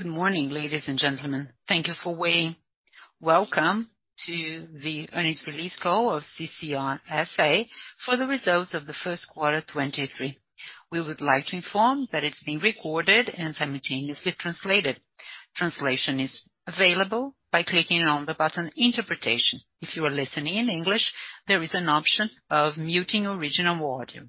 Good morning, ladies and gentlemen. Thank you for waiting. Welcome to the earnings release call of CCR S.A. for the results of the first quarter 23. We would like to inform that it's being recorded and simultaneously translated. Translation is available by clicking on the button Interpretation. If you are listening in English, there is an option of muting original audio.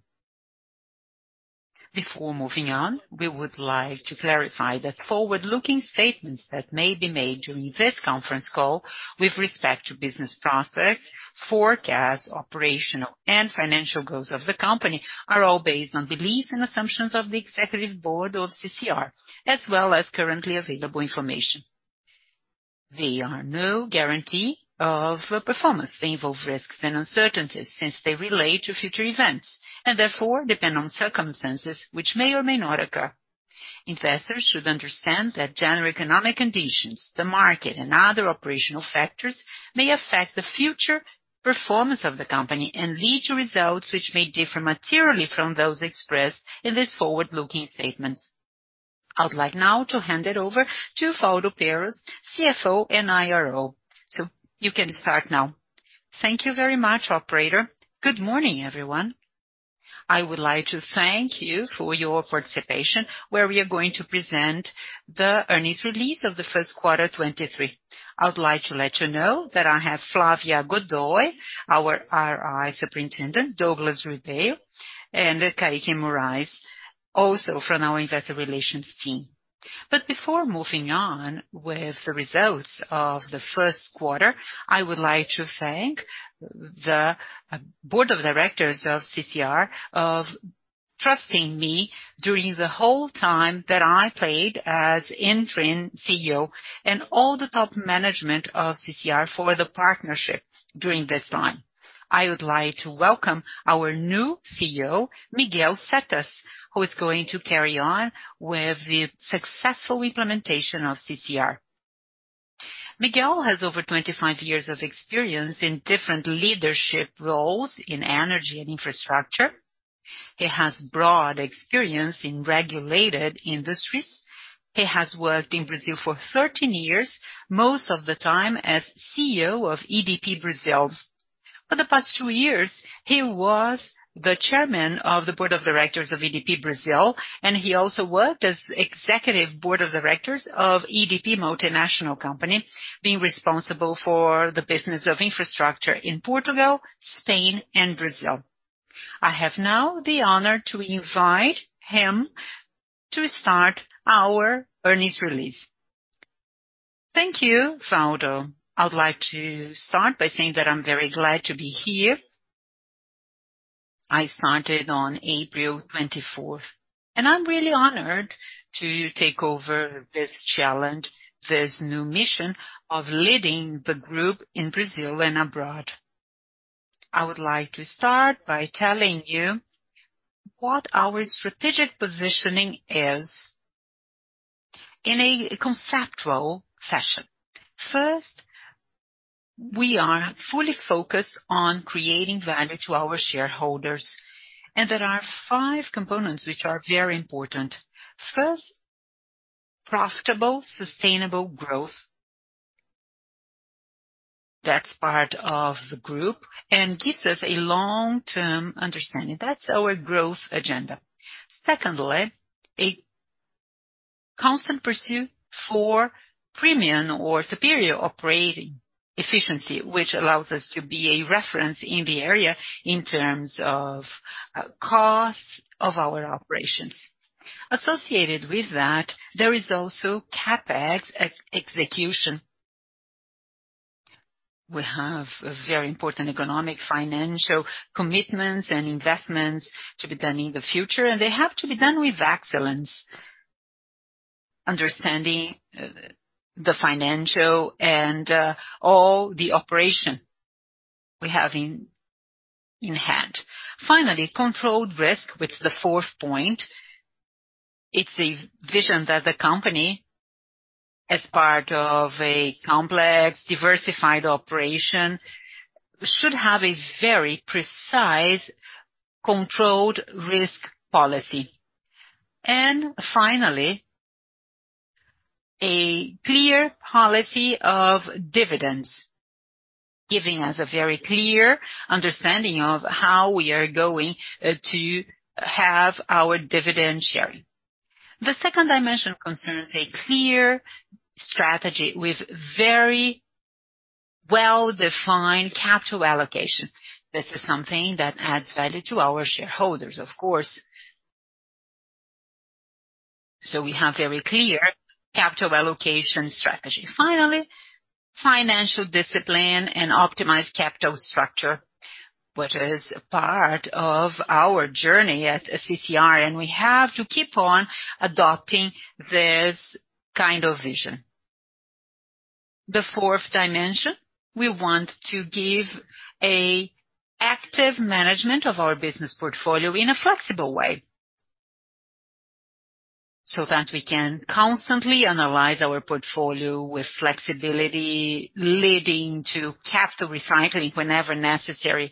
Before moving on, we would like to clarify that forward-looking statements that may be made during this conference call with respect to business prospects, forecasts, operational and financial goals of the company, are all based on beliefs and assumptions of the executive board of CCR, as well as currently available information. They are no guarantee of performance. They involve risks and uncertainties since they relate to future events, and therefore depend on circumstances which may or may not occur. Investors should understand that general economic conditions, the market and other operational factors may affect the future performance of the company and lead to results which may differ materially from those expressed in these forward-looking statements. I would like now to hand it over to Waldo Perez, CFO and IRO. You can start now. Thank you very much, operator. Good morning, everyone. I would like to thank you for your participation, where we are going to present the earnings release of the 1st quarter, 23. I would like to let you know that I have Flávia Godoy, our RI Superintendent, Douglas Ribeiro, and Caique Moraes, also from our Investor Relations team. Before moving on with the results of the first quarter, I would like to thank the Board of Directors of CCR of trusting me during the whole time that I played as interim CEO and all the top management of CCR for the partnership during this time. I would like to welcome our new CEO, Miguel Setas, who is going to carry on with the successful implementation of CCR. Miguel has over 25 years of experience in different leadership roles in energy and infrastructure. He has broad experience in regulated industries. He has worked in Brasil for 13 years, most of the time as CEO of EDP Brasil. For the past two years, he was the chairman of the Board of Directors of EDP Brasil, he also worked as executive board of directors of EDP Multinational Company, being responsible for the business of infrastructure in Portugal, Spain and Brazil. I have now the honor to invite him to start our earnings release. Thank you, Waldo. I would like to start by saying that I'm very glad to be here. I started on April 24th, I'm really honored to take over this challenge, this new mission of leading the group in Brazil and abroad. I would like to start by telling you what our strategic positioning is in a conceptual fashion. First, we are fully focused on creating value to our shareholders, there are five components which are very important. First, profitable, sustainable growth. That's part of the group gives us a long-term understanding. That's our growth agenda. Secondly, a constant pursuit for premium or superior operating efficiency, which allows us to be a reference in the area in terms of costs of our operations. Associated with that, there is also CapEx execution. We have a very important economic financial commitments and investments to be done in the future, and they have to be done with excellence, understanding the financial and all the operation we have in hand. Finally, controlled risk, which is the fourth point. It's a vision that the company, as part of a complex, diversified operation, should have a very precise, controlled risk policy. Finally, a clear policy of dividends, giving us a very clear understanding of how we are going to have our dividend sharing. The second dimension concerns a clear strategy with very well-defined capital allocation. This is something that adds value to our shareholders, of course. We have very clear capital allocation strategy. Finally, financial discipline and optimized capital structure, which is part of our journey at CCR, and we have to keep on adopting this kind of vision. The fourth dimension, we want to give an active management of our business portfolio in a flexible way, so that we can constantly analyze our portfolio with flexibility, leading to capital recycling whenever necessary.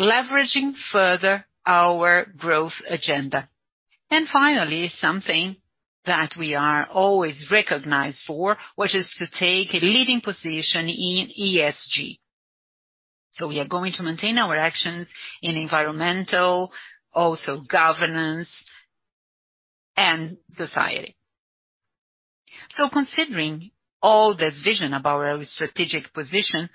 Leveraging further our growth agenda. Finally, something that we are always recognized for, which is to take a leading position in ESG. We are going to maintain our action in environmental, also governance, and society. Considering all the vision about our strategic position,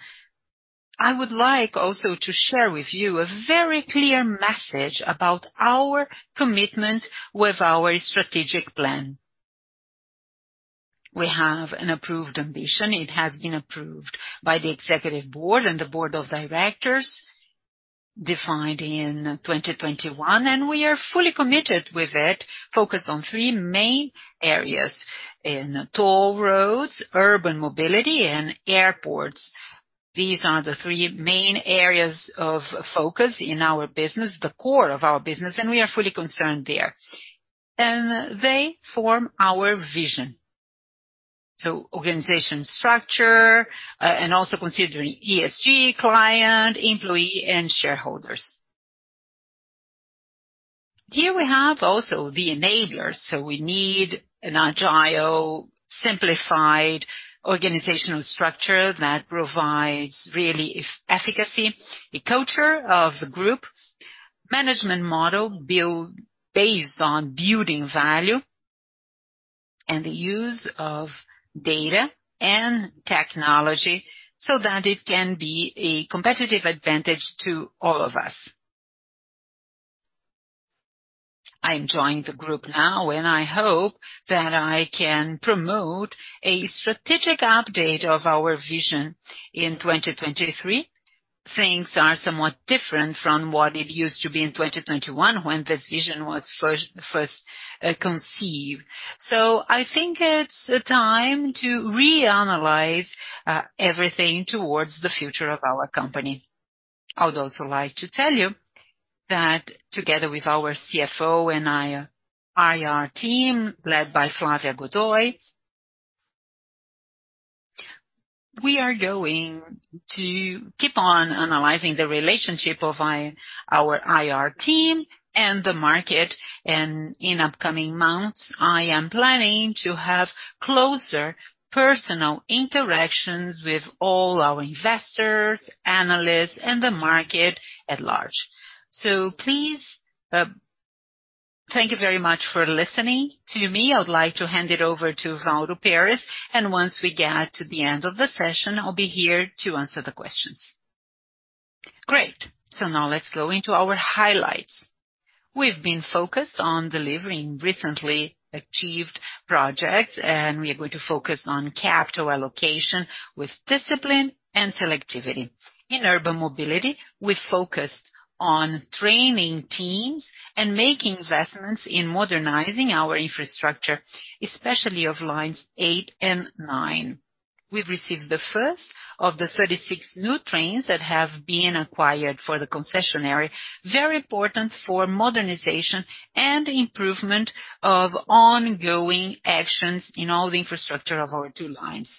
I would like also to share with you a very clear message about our commitment with our strategic plan. We have an approved ambition. It has been approved by the executive board and the board of directors, defined in 2021, and we are fully committed with it. Focused on three main areas: in toll roads, urban mobility, and airports. These are the three main areas of focus in our business, the core of our business, and we are fully concerned there. They form our vision. Organization structure, and also considering ESG, client, employee and shareholders. Here we have also the enablers. We need an agile, simplified organizational structure that provides really efficacy, a culture of the group, management model based on building value and the use of data and technology so that it can be a competitive advantage to all of us. I'm joining the group now, and I hope that I can promote a strategic update of our vision in 2023. Things are somewhat different from what it used to be in 2021 when this vision was first conceived. I think it's a time to reanalyze everything towards the future of our company. I would also like to tell you that together with our CFO and IR team, led by Flávia Godoy, we are going to keep on analyzing the relationship of our IR team and the market. In upcoming months, I am planning to have closer personal interactions with all our investors, analysts and the market at large. Please, thank you very much for listening to me. I would like to hand it over to Waldo Perez, and once we get to the end of the session, I'll be here to answer the questions. Great. Now let's go into our highlights. We've been focused on delivering recently achieved projects. We are going to focus on capital allocation with discipline and selectivity. In urban mobility, we focused on training teams and making investments in modernizing our infrastructure, especially of Lines 8 and 9. We've received the first of the 36 new trains that have been acquired for the concession area. Very important for modernization and improvement of ongoing actions in all the infrastructure of our 2 lines.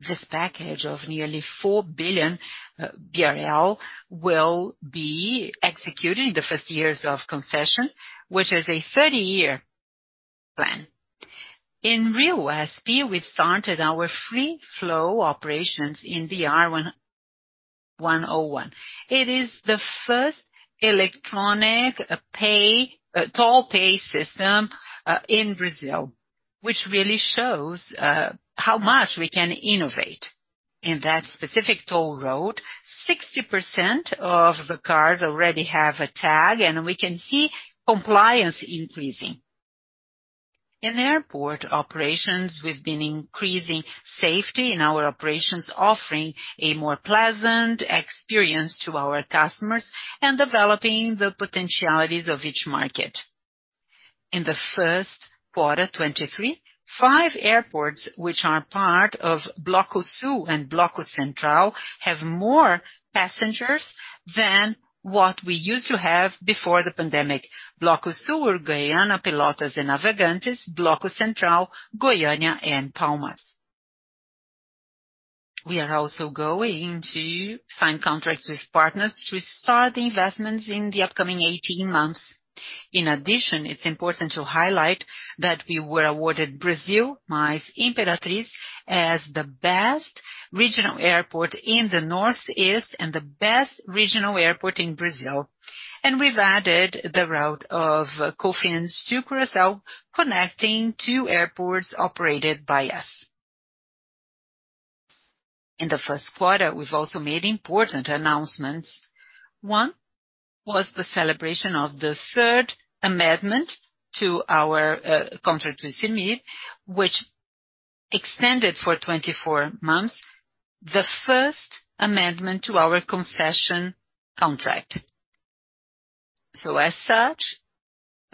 This package of nearly 4 billion BRL will be executed in the first years of concession, which is a 30-year plan. In RioSP, we started our Free Flow operations in BR-101. It is the first electronic toll pay system in Brazil, which really shows how much we can innovate. In that specific toll road, 60% of the cars already have a tag, and we can see compliance increasing. In airport operations, we've been increasing safety in our operations, offering a more pleasant experience to our customers and developing the potentialities of each market. In the first quarter 2023, 5 airports which are part of Bloco Sul and Bloco Central have more passengers than what we used to have before the pandemic. Bloco Sul were Goiânia, Pelotas e Navegantes. Bloco Central, Goiânia and Palmas. We are also going to sign contracts with partners to start investments in the upcoming 18 months. It's important to highlight that we were awarded Brasil Mais Imperatriz as the best regional airport in the Northeast and the best regional airport in Brazil. We've added the route of Confins to Curaçao, connecting two airports operated by us. In the first quarter, we've also made important announcements. One was the celebration of the third amendment to our contract with MSVia, which extended for 24 months, the first amendment to our concession contract. As such,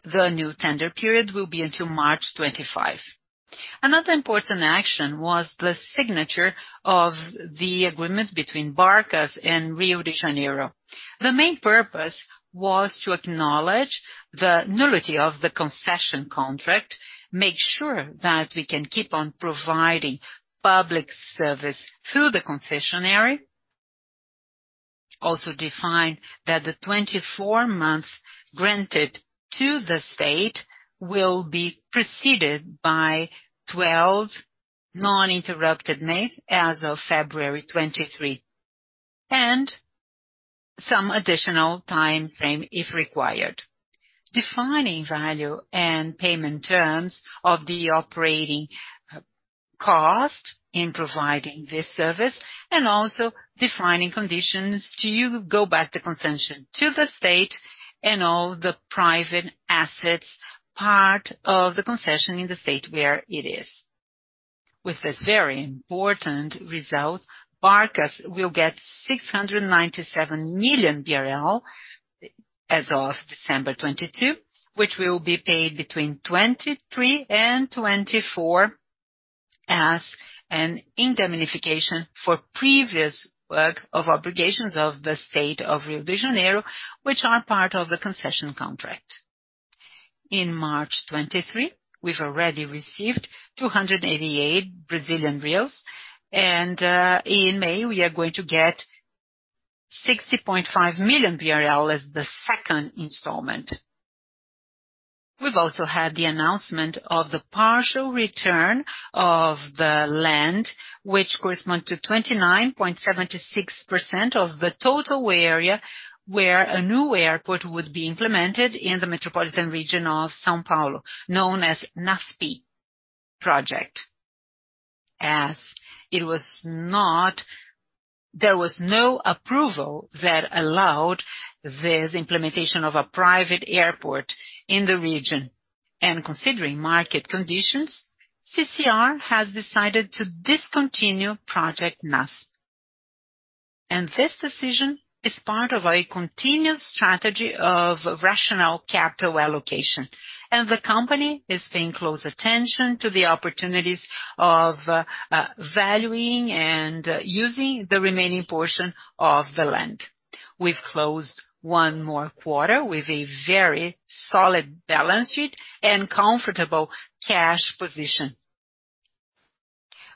the new tender period will be until March 25. Another important action was the signature of the agreement between CCR Barcas and Rio de Janeiro. The main purpose was to acknowledge the nullity of the concession contract, make sure that we can keep on providing public service through the concession area. Also define that the 24 months granted to the state will be preceded by 12 non-interrupted month as of February 23. Some additional timeframe if required. Defining value and payment terms of the operating cost in providing this service and also defining conditions to go back the concession to the state and all the private assets part of the concession in the state where it is. With this very important result, Barcas will get 697 million BRL as of December 2022, which will be paid between 2023 and 2024 as an indemnification for previous work of obligations of the state of Rio de Janeiro, which are part of the concession contract. In March 2023, we've already received 288 Brazilian reais and in May, we are going to get 60.5 million BRL as the second installment. We've also had the announcement of the partial return of the land, which correspond to 29.76% of the total area, where a new airport would be implemented in the metropolitan region of São Paulo, known as NASP project. There was no approval that allowed this implementation of a private airport in the region. Considering market conditions, CCR has decided to discontinue project NASP. This decision is part of a continuous strategy of rational capital allocation. The company is paying close attention to the opportunities of valuing and using the remaining portion of the land. We've closed 1 more quarter with a very solid balance sheet and comfortable cash position.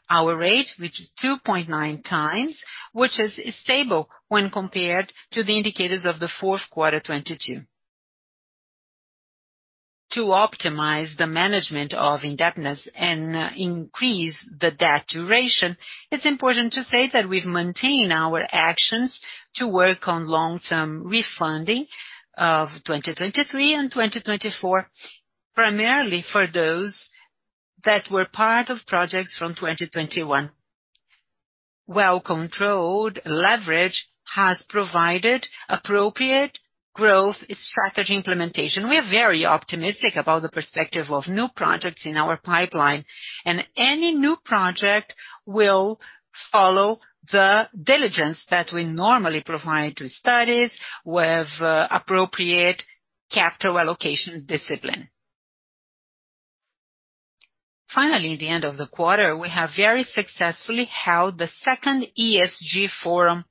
Our rate, which is 2.9 times, which is stable when compared to the indicators of the fourth quarter 2022. To optimize the management of indebtedness and increase the debt duration, it's important to say that we've maintained our actions to work on long-term refunding of 2023 and 2024, primarily for those that were part of projects from 2021. Well-controlled leverage has provided appropriate growth strategy implementation. We're very optimistic about the perspective of new projects in our pipeline. Any new project will follow the diligence that we normally provide to studies with appropriate capital allocation discipline. Finally, at the end of the quarter, we have very successfully held the second ESG forum,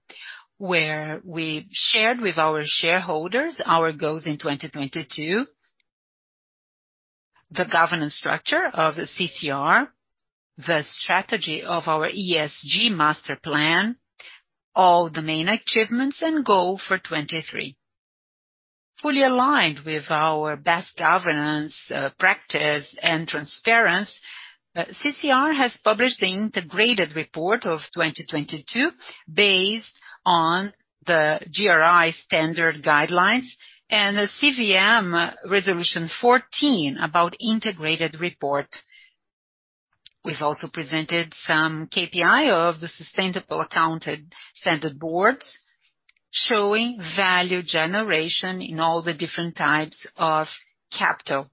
where we shared with our shareholders our goals in 2022, the governance structure of CCR, the strategy of its ESG master plan, all the main achievements and goal for 2023. Fully aligned with our best governance practice and transparency, CCR has published the integrated report of 2022 based on the GRI standard guidelines and the CVM Resolution 14 about integrated report. We've also presented some KPI of the Sustainability Accounting Standards Board, showing value generation in all the different types of capital.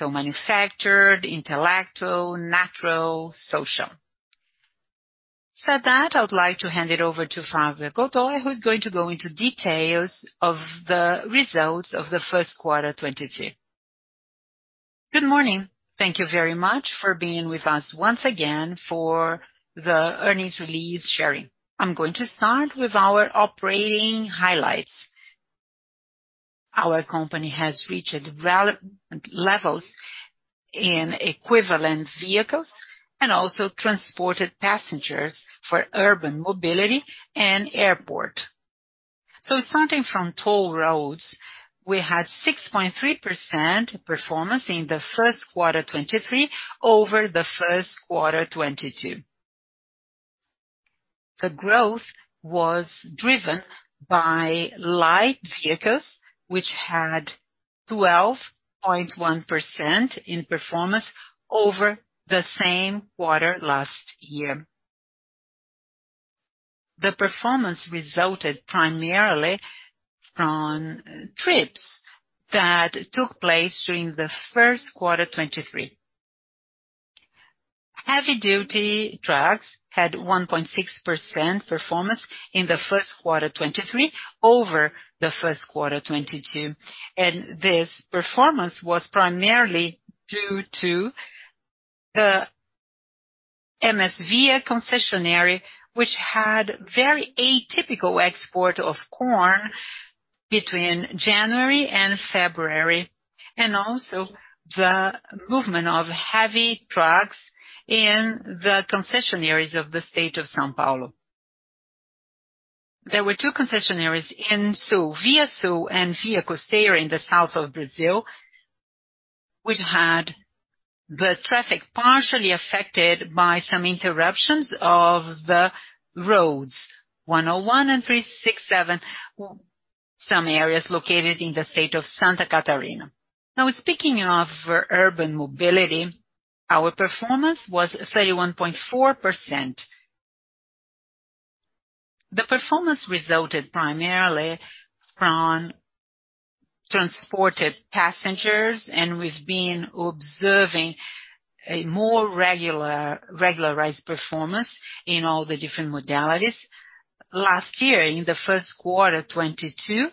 Manufactured, intellectual, natural, social. For that, I would like to hand it over to Fabia Gottschalk, who's going to go into details of the results of the first quarter 2022. Good morning. Thank you very much for being with us once again for the earnings release sharing. I'm going to start with our operating highlights. Our company has reached levels in equivalent vehicles and also transported passengers for urban mobility and airport. Starting from toll roads, we had 6.3% performance in the first quarter 2023 over the first quarter 2022. The growth was driven by light vehicles, which had 12.1% in performance over the same quarter last year. The performance resulted primarily from trips that took place during the first quarter 2023. Heavy-duty trucks had 1.6% performance in the first quarter 2023 over the first quarter 2022. This performance was primarily due to the MSVia concessionaire, which had very atypical export of corn between January and February, and also the movement of heavy trucks in the concession areas of the state of São Paulo. There were two concessionaires in Sul, Via Sul and Via Costeira in the south of Brazil, which had the traffic partially affected by some interruptions of the roads BR-101 and 367, some areas located in the state of Santa Catarina. Speaking of urban mobility, our performance was 31.4%. The performance resulted primarily from transported passengers. We've been observing a more regularized performance in all the different modalities. Last year, in the first quarter 2022,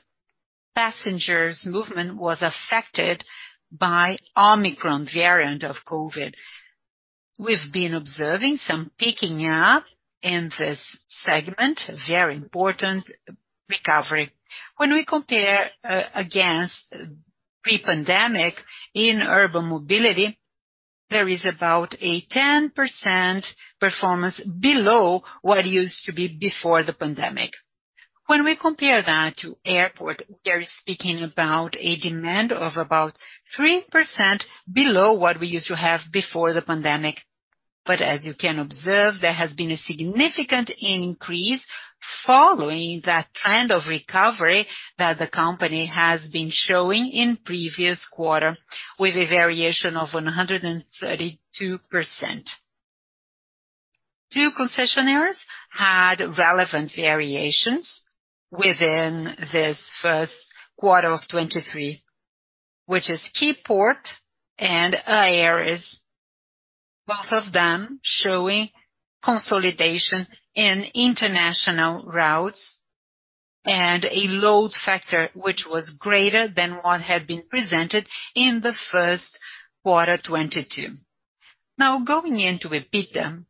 passengers movement was affected by Omicron variant of COVID. We've been observing some picking up in this segment, a very important recovery. When we compare against pre-pandemic in urban mobility, there is about a 10% performance below what used to be before the pandemic. When we compare that to airport, we are speaking about a demand of about 3% below what we used to have before the pandemic. As you can observe, there has been a significant increase following that trend of recovery that the company has been showing in previous quarter, with a variation of 132%. 2 concessionaires had relevant variations within this first quarter of 2023, which is Keyport and Aeres, both of them showing consolidation in international routes and a load factor which was greater than what had been presented in the first quarter 2022. Going into EBITDA.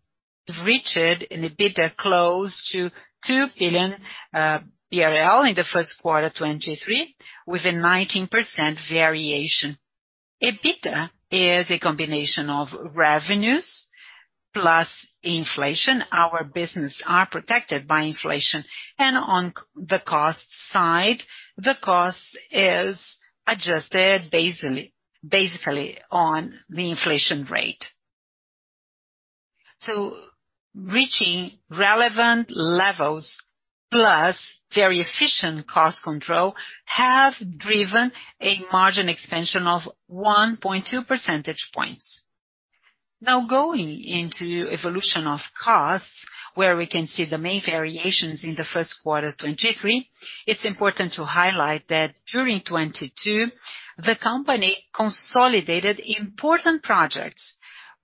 We've reached an EBITDA close to 2 billion BRL in the first quarter 2023, with a 19% variation. EBITDA is a combination of revenues plus inflation. Our business are protected by inflation. On the cost side, the cost is adjusted basically on the inflation rate. Reaching relevant levels, plus very efficient cost control, have driven a margin expansion of 1.2 percentage points. Going into evolution of costs, where we can see the main variations in Q1 2023, it's important to highlight that during 2022, the company consolidated important projects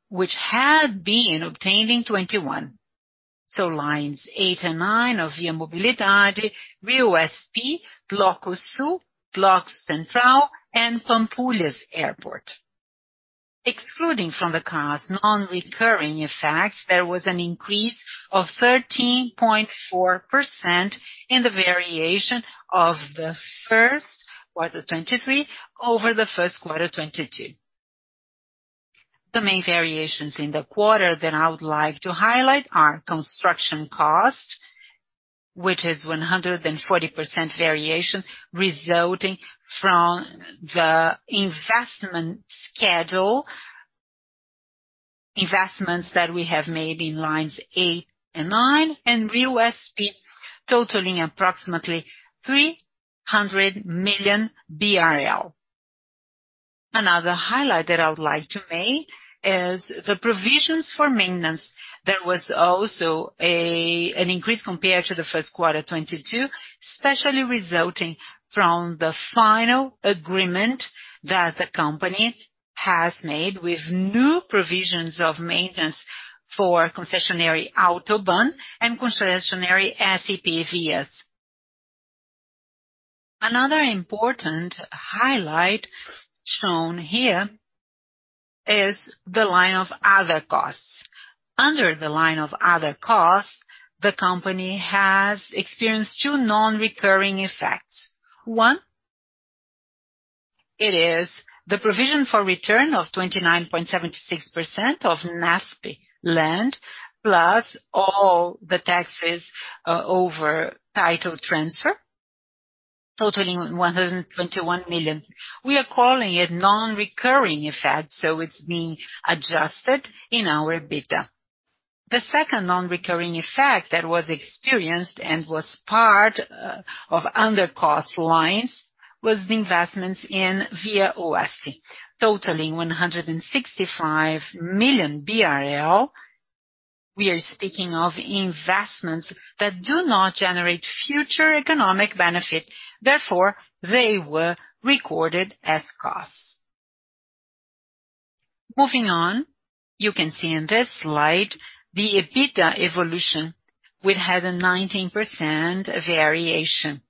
which had been obtained in 2021. Lines 8 and 9 of Via Mobilidade, SPVias, Bloco Sul, Bloco Central, and Pampulha Airport. Excluding from the costs non-recurring effects, there was an increase of 13.4% in the variation of Q1 2023 over Q1 2022. The main variations in the quarter that I would like to highlight are construction costs, which is 140% variation resulting from the investment schedule. Investments that we have made in Lines 8 and 9 and SPVias, totaling approximately BRL 300 million. Another highlight that I would like to make is the provisions for maintenance. There was also an increase compared to the first quarter 2022, especially resulting from the final agreement that the company has made with new provisions of maintenance for Concessionaire AutoBAn and Concessionaire SCP Vias. Another important highlight shown here is the line of other costs. Under the line of other costs, the company has experienced two non-recurring effects. One, it is the provision for return of 29.76% of NASP land, plus all the taxes over title transfer, totaling 121 million. We are calling it non-recurring effect, so it's being adjusted in our EBITDA. The second non-recurring effect that was experienced and was part of under cost lines was the investments in Via Oeste, totaling 165 million BRL. We are speaking of investments that do not generate future economic benefit, therefore, they were recorded as costs. Moving on, you can see in this slide the EBITDA evolution, which had a 19% variation.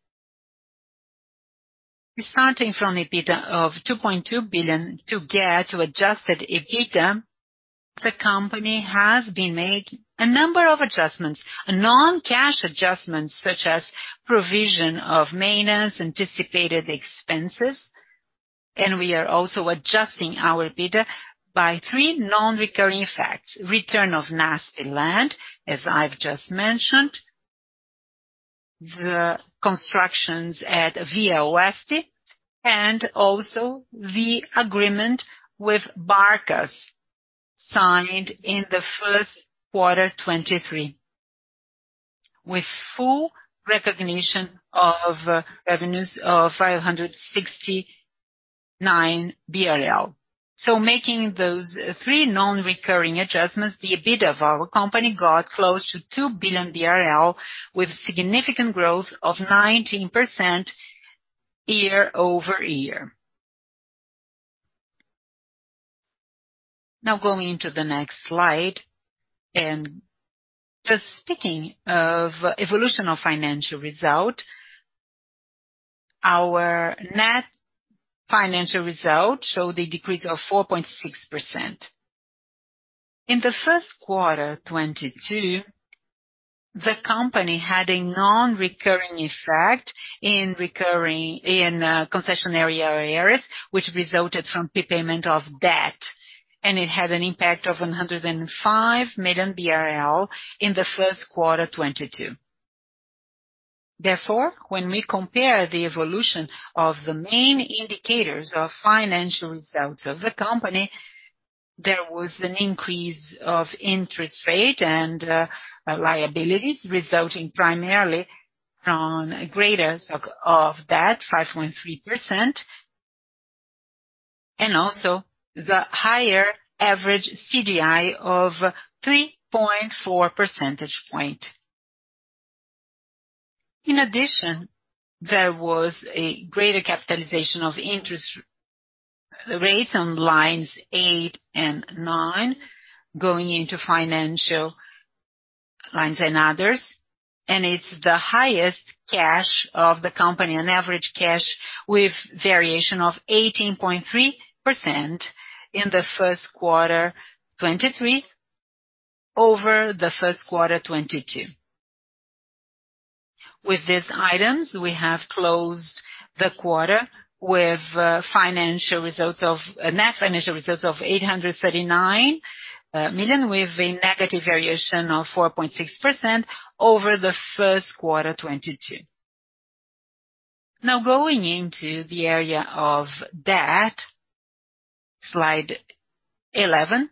Starting from EBITDA of 2.2 billion to get to adjusted EBITDA. The company has been made a number of adjustments. A non-cash adjustments such as provision of maintenance, anticipated expenses, and we are also adjusting our EBITDA by three non-recurring facts. Return of NASP return of land, as I've just mentioned. The constructions at Via Oeste, and also the agreement with Barcas signed in the first quarter 2023. With full recognition of revenues of 569 BRL. Making those three non-recurring adjustments, the EBITDA of our company got close to 2 billion BRL, with significant growth of 19% year-over-year. Going into the next slide, and just speaking of evolution of financial result. Our net financial results showed a decrease of 4.6%. The first quarter 2022, the company had a non-recurring effect in concession area Aeres, which resulted from prepayment of debt. It had an impact of 105 million BRL in the first quarter 2022. When we compare the evolution of the main indicators of financial results of the company, there was an increase of interest rate and liabilities, resulting primarily from a greater stock of debt, 5.3%, and also the higher average CDI of 3.4 percentage point. There was a greater capitalization of interest rates on lines 8 and 9 going into financial lines and others. It's the highest cash of the company, an average cash with variation of 18.3% in the first quarter 2023 over the first quarter 2022. With these items, we have closed the quarter with financial results of net financial results of 839 million, with a negative variation of 4.6% over the first quarter 2022. Going into the area of debt. Slide 11.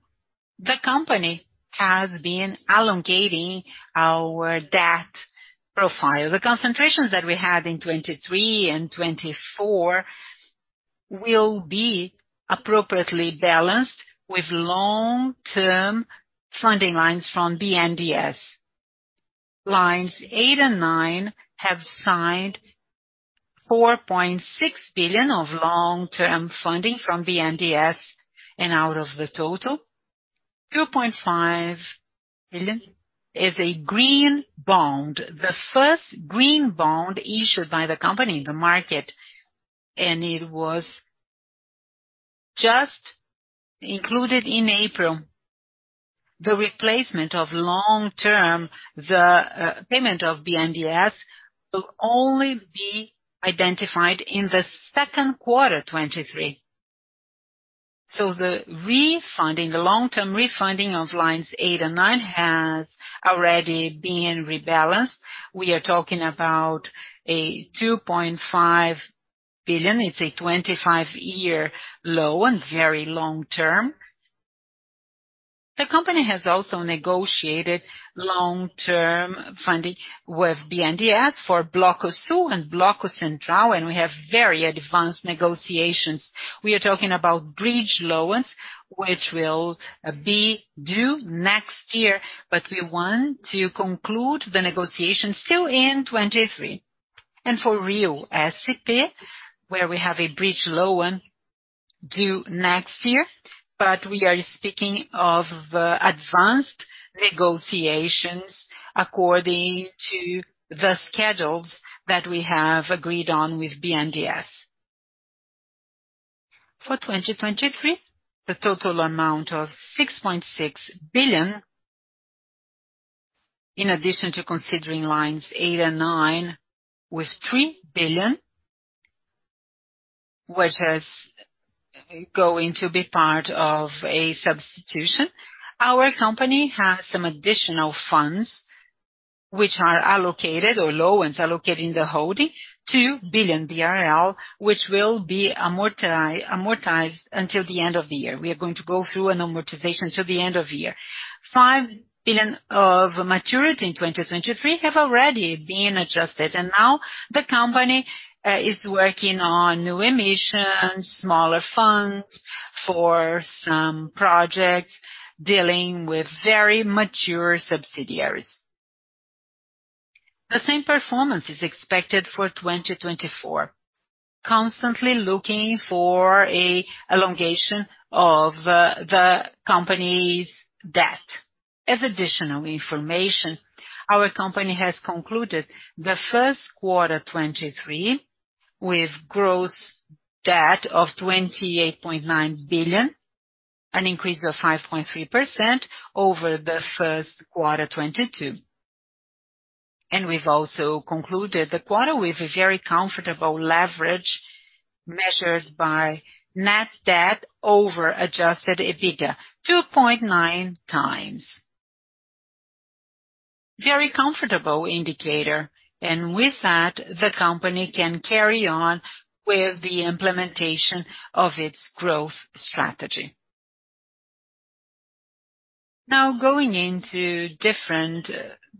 The company has been elongating our debt profile. The concentrations that we had in 2023 and 2024 will be appropriately balanced with long-term funding lines from BNDES. Lines 8 and 9 have signed 4.6 billion of long-term funding from BNDES, and out of the total, 2.5 billion is a green bond. The first green bond issued by the company in the market, and it was just included in April. The replacement of long-term payment of BNDES will only be identified in the second quarter 2023. The refunding, the long-term refunding of Lines 8 and 9 has already been rebalanced. We are talking about a 2.5 billion. It's a 25-year loan, very long-term. The company has also negotiated long-term funding with BNDES for Bloco Sul and Bloco Central, and we have very advanced negotiations. We are talking about bridge loans, which will be due in 2024, but we want to conclude the negotiation still in 2023. For Rio SCP, where we have a bridge loan due in 2024, but we are speaking of advanced negotiations according to the schedules that we have agreed on with BNDES. For 2023, the total amount of 6.6 billion, in addition to considering Lines 8 and 9 with 3 billion, which is going to be part of a substitution. Our company has some additional funds which are allocated, or loans allocated in the holding, 2 billion BRL, which will be amortized until the end of the year. We are going to go through an amortization till the end of year. 5 billion of maturity in 2023 have already been adjusted. Now the company is working on new emissions, smaller funds for some projects dealing with very mature subsidiaries. The same performance is expected for 2024. Constantly looking for a elongation of the company's debt. As additional information, our company has concluded the first quarter 2023 with gross debt of 28.9 billion, an increase of 5.3% over the first quarter 2022. We've also concluded the quarter with a very comfortable leverage measured by net debt over adjusted EBITDA, 2.9 times. Very comfortable indicator. With that, the company can carry on with the implementation of its growth strategy. Now going into different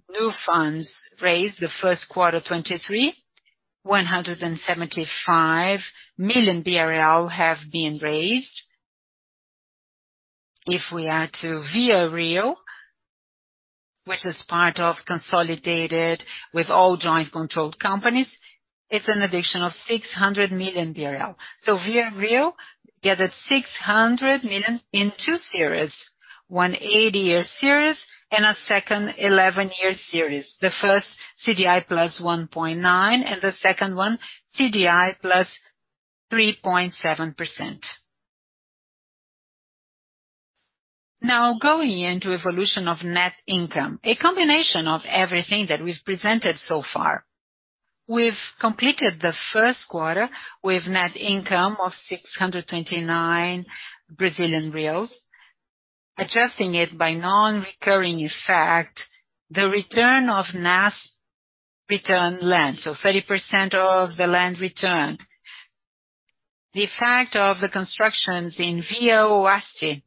new funds raised the first quarter 2023. 175 million BRL have been raised. If we add to ViaRio, which is part of consolidated with all joint controlled companies, it's an additional 600 million BRL. ViaRio gathered 600 million in two series, one 80-year series and a second 11-year series. The first CDI plus 1.9, and the second one CDI plus 3.7%. Now going into evolution of net income, a combination of everything that we've presented so far. We've completed the first quarter with net income of 629 Brazilian reais. Adjusting it by non-recurring effect, the return of NASP return of land, 30% of the land returned. The effect of the constructions in Via Oeste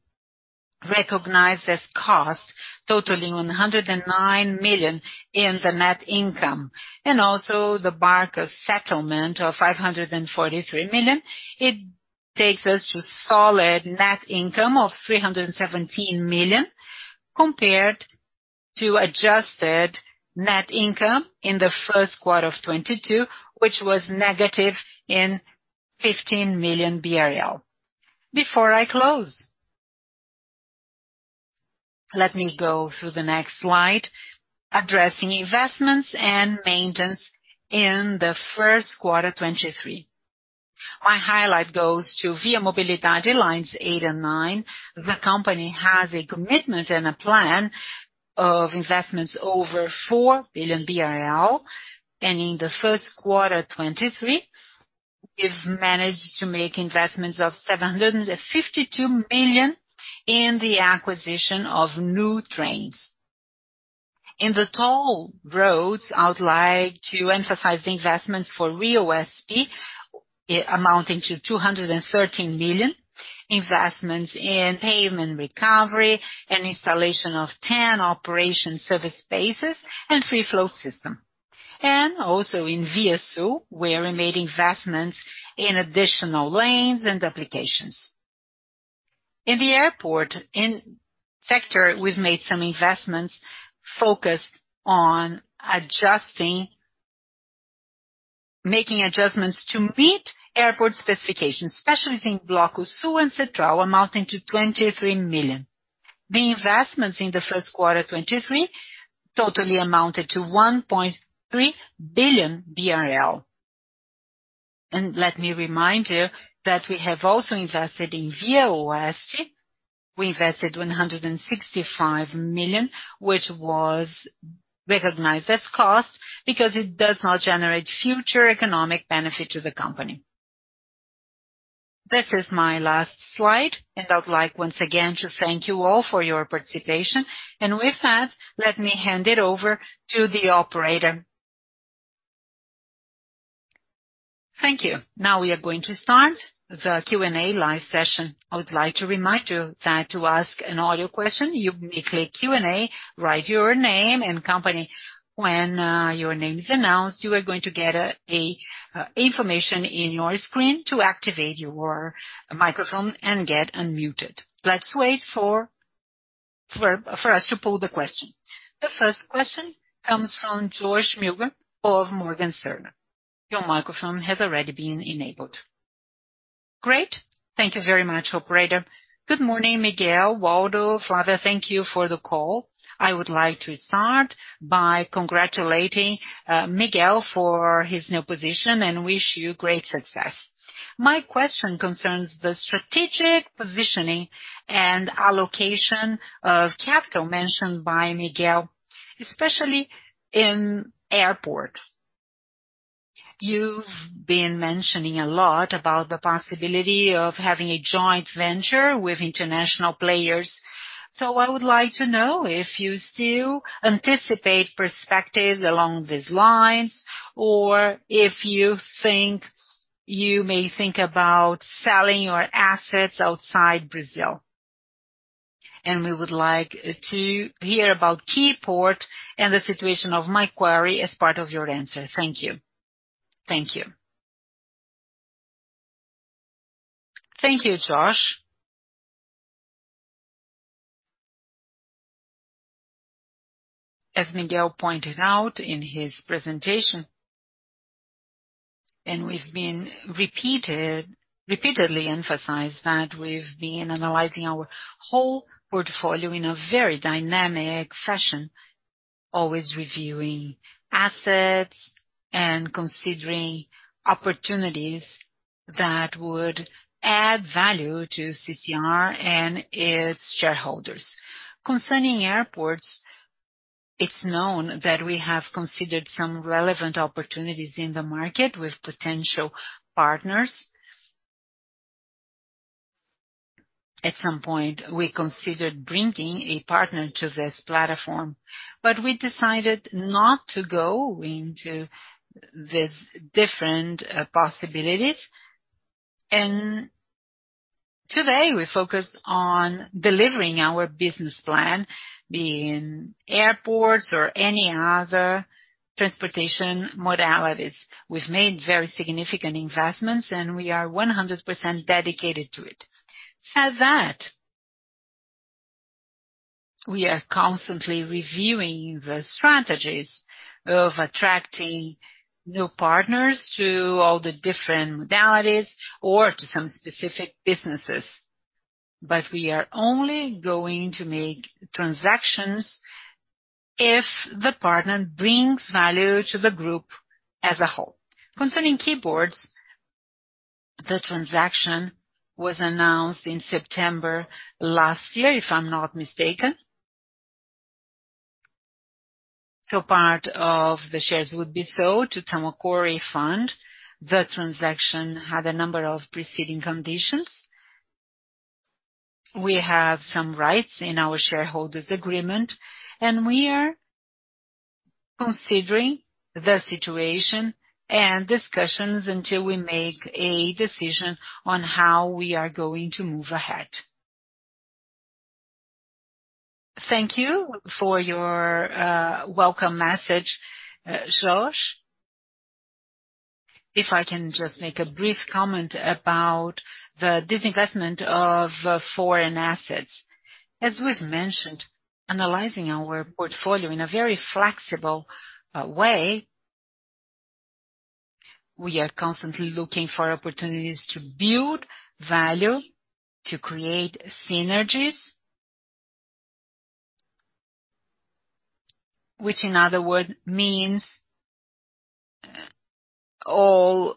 recognized as cost, totaling 109 million in the net income, and also the Barca settlement of 543 million. It takes us to solid net income of 317 million, compared to adjusted net income in the first quarter of 2022, which was negative in 15 million BRL. Before I close, let me go through the next slide, addressing investments and maintenance in the first quarter 2023. My highlight goes to Via Mobilidade lines eight and nine. The company has a commitment and a plan of investments over 4 billion BRL. In the first quarter 2023, we've managed to make investments of 752 million in the acquisition of new trains. In the toll roads, I would like to emphasize the investments for RioSP, amounting to 213 million. Investments in pavement recovery and installation of 10 operation service spaces and Free Flow system. Also in CCR ViaSul, we're made investments in additional lanes and applications. In the airport, in sector, we've made some investments focused on making adjustments to meet airport specifications, especially in Bloco Sul and Central, amounting to 23 million. The investments in the first quarter 2023 totally amounted to 1.3 billion BRL. Let me remind you that we have also invested in CCR ViaOeste. We invested 165 million, which was recognized as cost because it does not generate future economic benefit to the company. This is my last slide, and I would like once again to thank you all for your participation. With that, let me hand it over to the operator. Thank you. Now we are going to start the Q&A live session. I would like to remind you that to ask an audio question, you may click Q&A, write your name and company. When your name is announced, you are going to get information in your screen to activate your microphone and get unmuted. Let's wait for us to pull the question. The first question comes from George Miller of Morgan Stanley. Your microphone has already been enabled. Great. Thank you very much, operator. Good morning, Miguel, Waldo, Flávia. Thank you for the call. I would like to start by congratulating Miguel for his new position and wish you great success. My question concerns the strategic positioning and allocation of capital mentioned by Miguel, especially in airport. You've been mentioning a lot about the possibility of having a joint venture with international players. I would like to know if you still anticipate perspectives along these lines or if you may think about selling your assets outside Brazil. We would like to hear about Keyport and the situation of my query as part of your answer. Thank you. Thank you. Thank you, George. As Miguel pointed out in his presentation, we've been repeatedly emphasized that we've been analyzing our whole portfolio in a very dynamic fashion. Always reviewing assets and considering opportunities that would add value to CCR and its shareholders. Concerning airports, it's known that we have considered some relevant opportunities in the market with potential partners. At some point, we considered bringing a partner to this platform, but we decided not to go into these different possibilities. Today we focus on delivering our business plan, be in airports or any other transportation modalities. We've made very significant investments, and we are 100% dedicated to it. We are constantly reviewing the strategies of attracting new partners to all the different modalities or to some specific businesses. We are only going to make transactions if the partner brings value to the group as a whole. Concerning Keyport, the transaction was announced in September last year, if I'm not mistaken. Part of the shares would be sold to Tamokori Fund. The transaction had a number of preceding conditions. We have some rights in our shareholders agreement, and we are considering the situation and discussions until we make a decision on how we are going to move ahead. Thank you for your welcome message, George. If I can just make a brief comment about the disinvestment of foreign assets. As we've mentioned, analyzing our portfolio in a very flexible way, we are constantly looking for opportunities to build value, to create synergies. Which in other words, means, all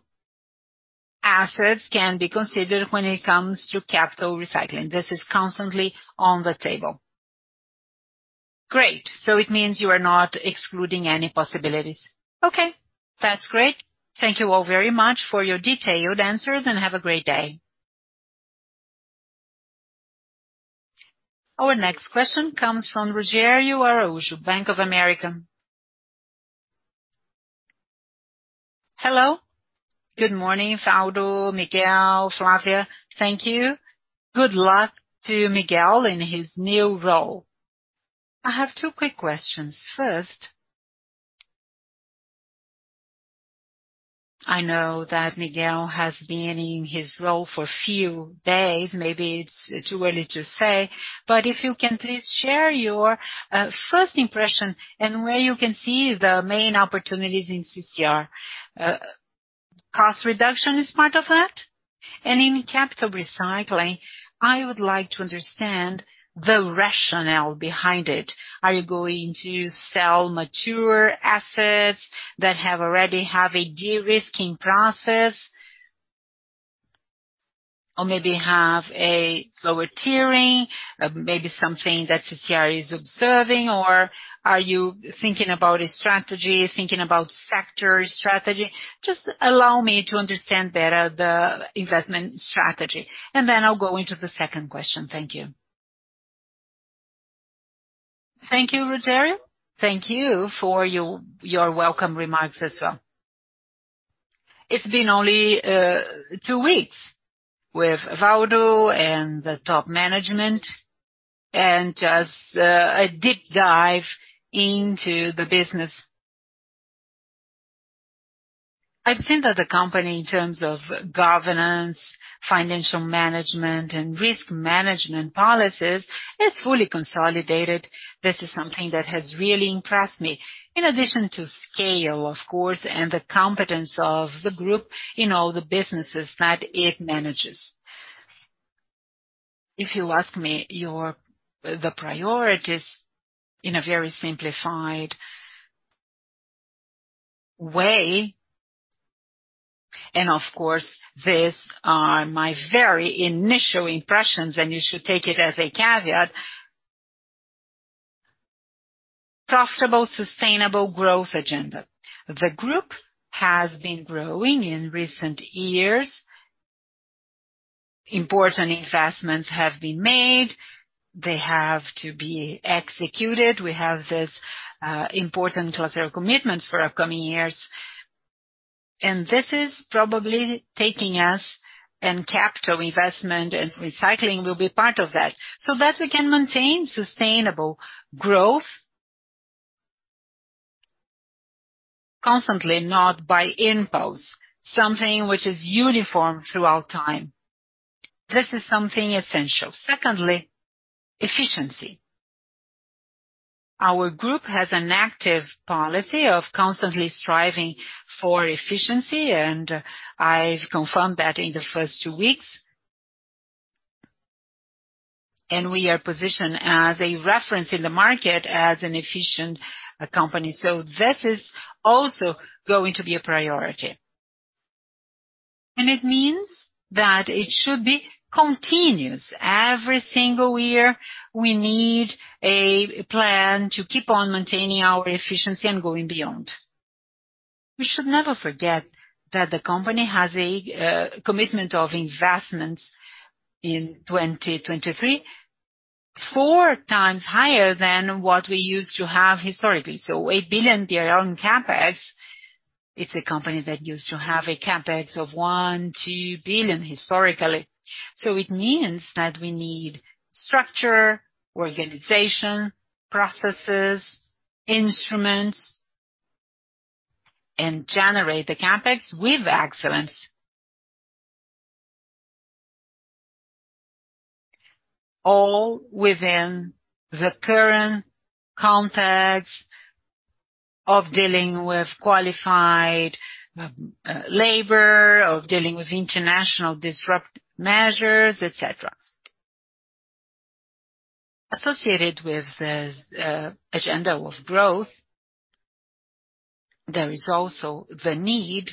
assets can be considered when it comes to capital recycling. This is constantly on the table. Great. It means you are not excluding any possibilities. Okay, that's great. Thank you all very much for your detailed answers, and have a great day. Our next question comes from Rogerio Araujo, Bank of America. Hello. Good morning, Waldo, Miguel, Flávia. Thank you. Good luck to Miguel in his new role. I have two quick questions. First, I know that Miguel has been in his role for a few days. Maybe it's too early to say, if you can please share your first impression and where you can see the main opportunities in CCR. Cost reduction is part of that. In capital recycling, I would like to understand the rationale behind it. Are you going to sell mature assets that have already have a de-risking process or maybe have a lower tiering, maybe something that CCR is observing? Are you thinking about a strategy, thinking about factor strategy? Just allow me to understand better the investment strategy, I'll go into the second question. Thank you. Thank you, Rogerio. Thank you for your welcome remarks as well. It's been only 2 weeks with Waldo and the top management and just a deep dive into the business. I've seen that the company, in terms of governance, financial management and risk management policies, is fully consolidated. This is something that has really impressed me. In addition to scale, of course, and the competence of the group, you know, the businesses that it manages. If you ask me, the priorities in a very simplified way, and of course, these are my very initial impressions, and you should take it as a caveat. Profitable, sustainable growth agenda. The group has been growing in recent years. Important investments have been made. They have to be executed. We have this important electoral commitments for upcoming years, and this is probably taking us, and capital investment and recycling will be part of that, so that we can maintain sustainable growth constantly, not by impulse, something which is uniform throughout time. This is something essential. Secondly, efficiency. Our group has an active policy of constantly striving for efficiency. I've confirmed that in the first 2 weeks. We are positioned as a reference in the market as an efficient company. This is also going to be a priority. It means that it should be continuous. Every single year, we need a plan to keep on maintaining our efficiency and going beyond. We should never forget that the company has a commitment of investments in 2023, 4 times higher than what we used to have historically. 8 billion CapEx. It's a company that used to have a CapEx of 1 billion-2 billion historically. It means that we need structure, organization, processes, instruments, and generate the CapEx with excellence. All within the current context of dealing with qualified labor, of dealing with international disrupt measures, et cetera. Associated with this, agenda of growth, there is also the need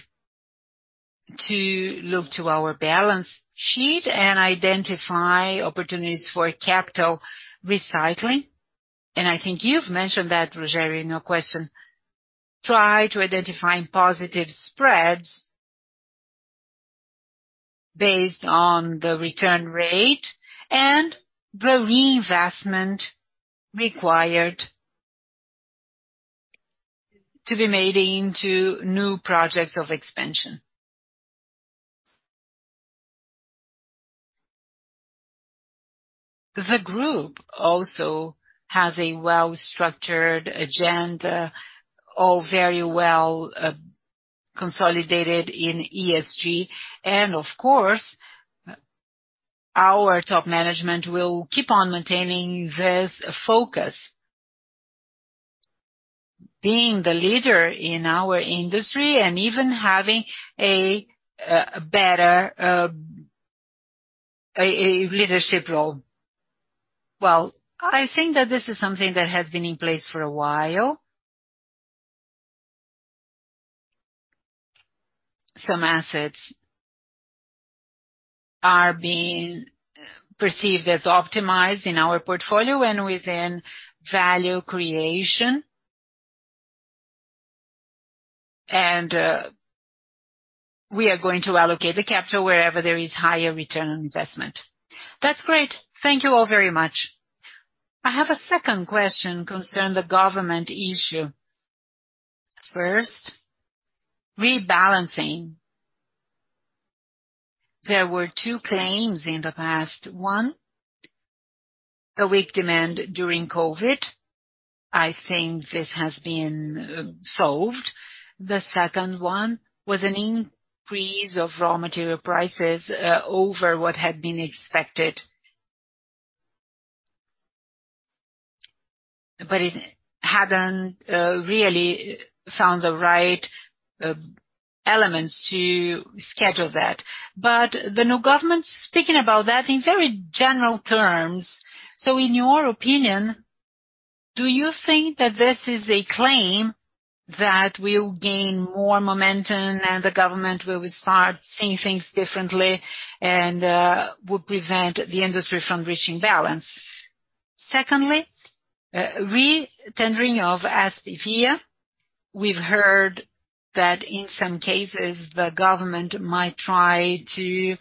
to look to our balance sheet and identify opportunities for capital recycling. I think you've mentioned that, Rogerio, in your question. Try to identify positive spreads based on the return rate and the reinvestment required to be made into new projects of expansion. The group also has a well-structured agenda, all very well consolidated in ESG. Of course, our top management will keep on maintaining this focus. Being the leader in our industry and even having a better leadership role. Well, I think that this is something that has been in place for a while. Some assets are being perceived as optimized in our portfolio and within value creation. We are going to allocate the capital wherever there is higher return on investment. That's great. Thank you all very much. I have a second question concerning the government issue. First, rebalancing. There were two claims in the past. One, the weak demand during COVID. I think this has been solved. The second one was an increase of raw material prices over what had been expected. It hadn't really found the right elements to schedule that. The new government's speaking about that in very general terms. In your opinion, do you think that this is a claim that will gain more momentum and the government will start seeing things differently and will prevent the industry from reaching balance? Secondly, re-tendering of SPVias. We've heard that in some cases, the government might try to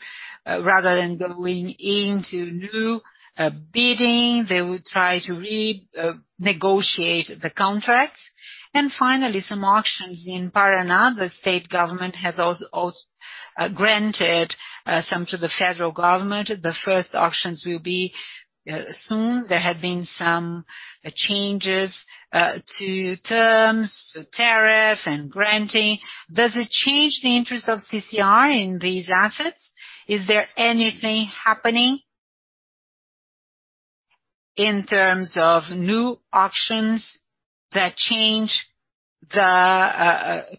rather than going into new bidding, they would try to negotiate the contract. Finally, some auctions in Paraná. The state government has granted some to the federal government. The first auctions will be soon. There have been some changes to terms, to tariff and granting. Does it change the interest of CCR in these assets? Is there anything happening in terms of new auctions that change the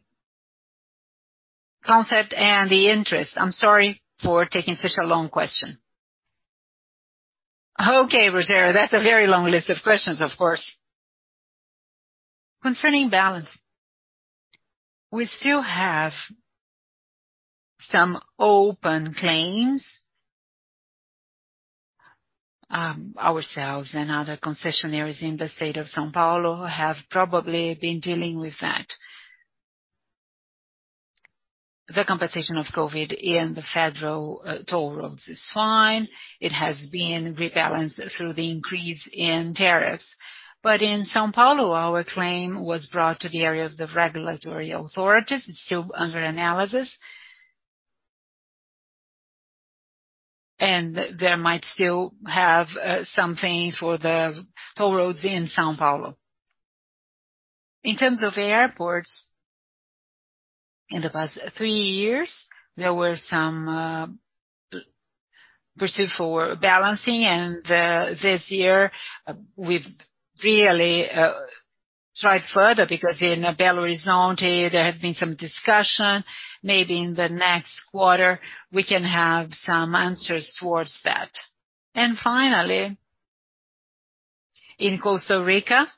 concept and the interest? I'm sorry for taking such a long question. Okay, Rogerio. That's a very long list of questions, of course. Concerning balance, we still have some open claims, ourselves and other concessionaires in the state of São Paulo have probably been dealing with that. The compensation of COVID in the federal toll roads is fine. It has been rebalanced through the increase in tariffs. In São Paulo, our claim was brought to the area of the regulatory authorities. It's still under analysis. There might still have something for the toll roads in São Paulo. In terms of airports, in the past three years, there were some pursuit for balancing. This year, we've really Strive further because in Belo Horizonte there has been some discussion. Maybe in the next quarter we can have some answers towards that. Finally, in Costa Rica,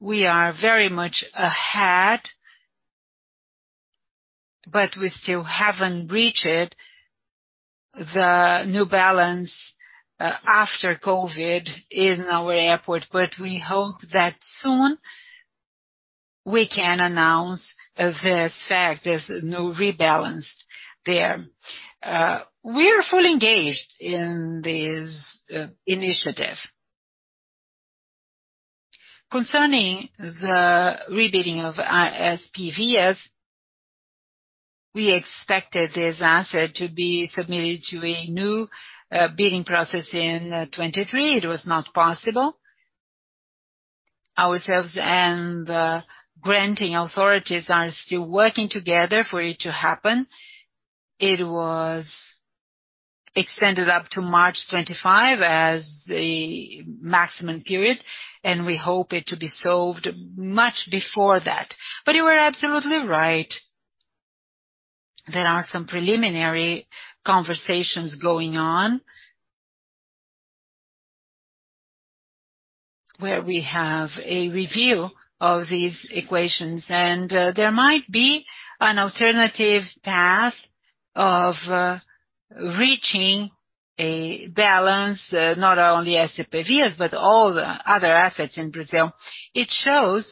we are very much ahead, but we still haven't reached the new balance after COVID in our airport, but we hope that soon we can announce the fact there's no rebalance there. We're fully engaged in this initiative. Concerning the re-bidding of SPVs, we expected this asset to be submitted to a new bidding process in 2023. It was not possible. Ourselves and the granting authorities are still working together for it to happen. It was extended up to March 25 as the maximum period, and we hope it to be solved much before that. You are absolutely right. There are some preliminary conversations going on where we have a review of these equations, and there might be an alternative path of reaching a balance, not only SPVs, but all the other assets in Brazil. It shows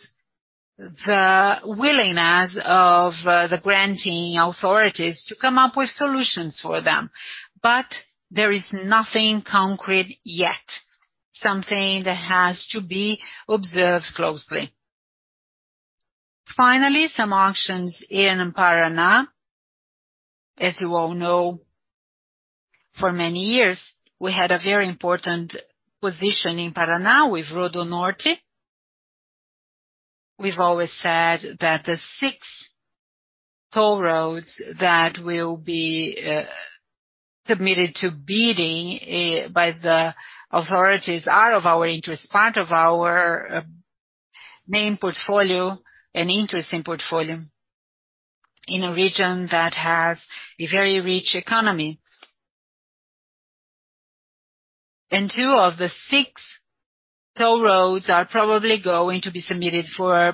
the willingness of the granting authorities to come up with solutions for them. There is nothing concrete yet, something that has to be observed closely. Some auctions in Paraná. As you all know, for many years we had a very important position in Paraná with RodoNorte. We've always said that the 6 toll roads that will be submitted to bidding by the authorities are of our interest, part of our main portfolio and interesting portfolio in a region that has a very rich economy. 2 of the 6 toll roads are probably going to be submitted for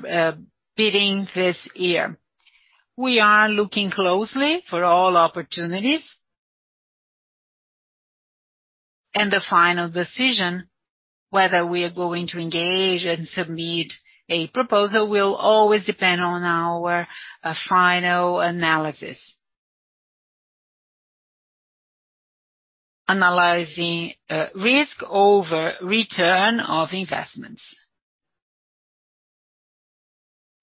bidding this year. We are looking closely for all opportunities. The final decision, whether we are going to engage and submit a proposal, will always depend on our final analysis. Analyzing risk over return of investments.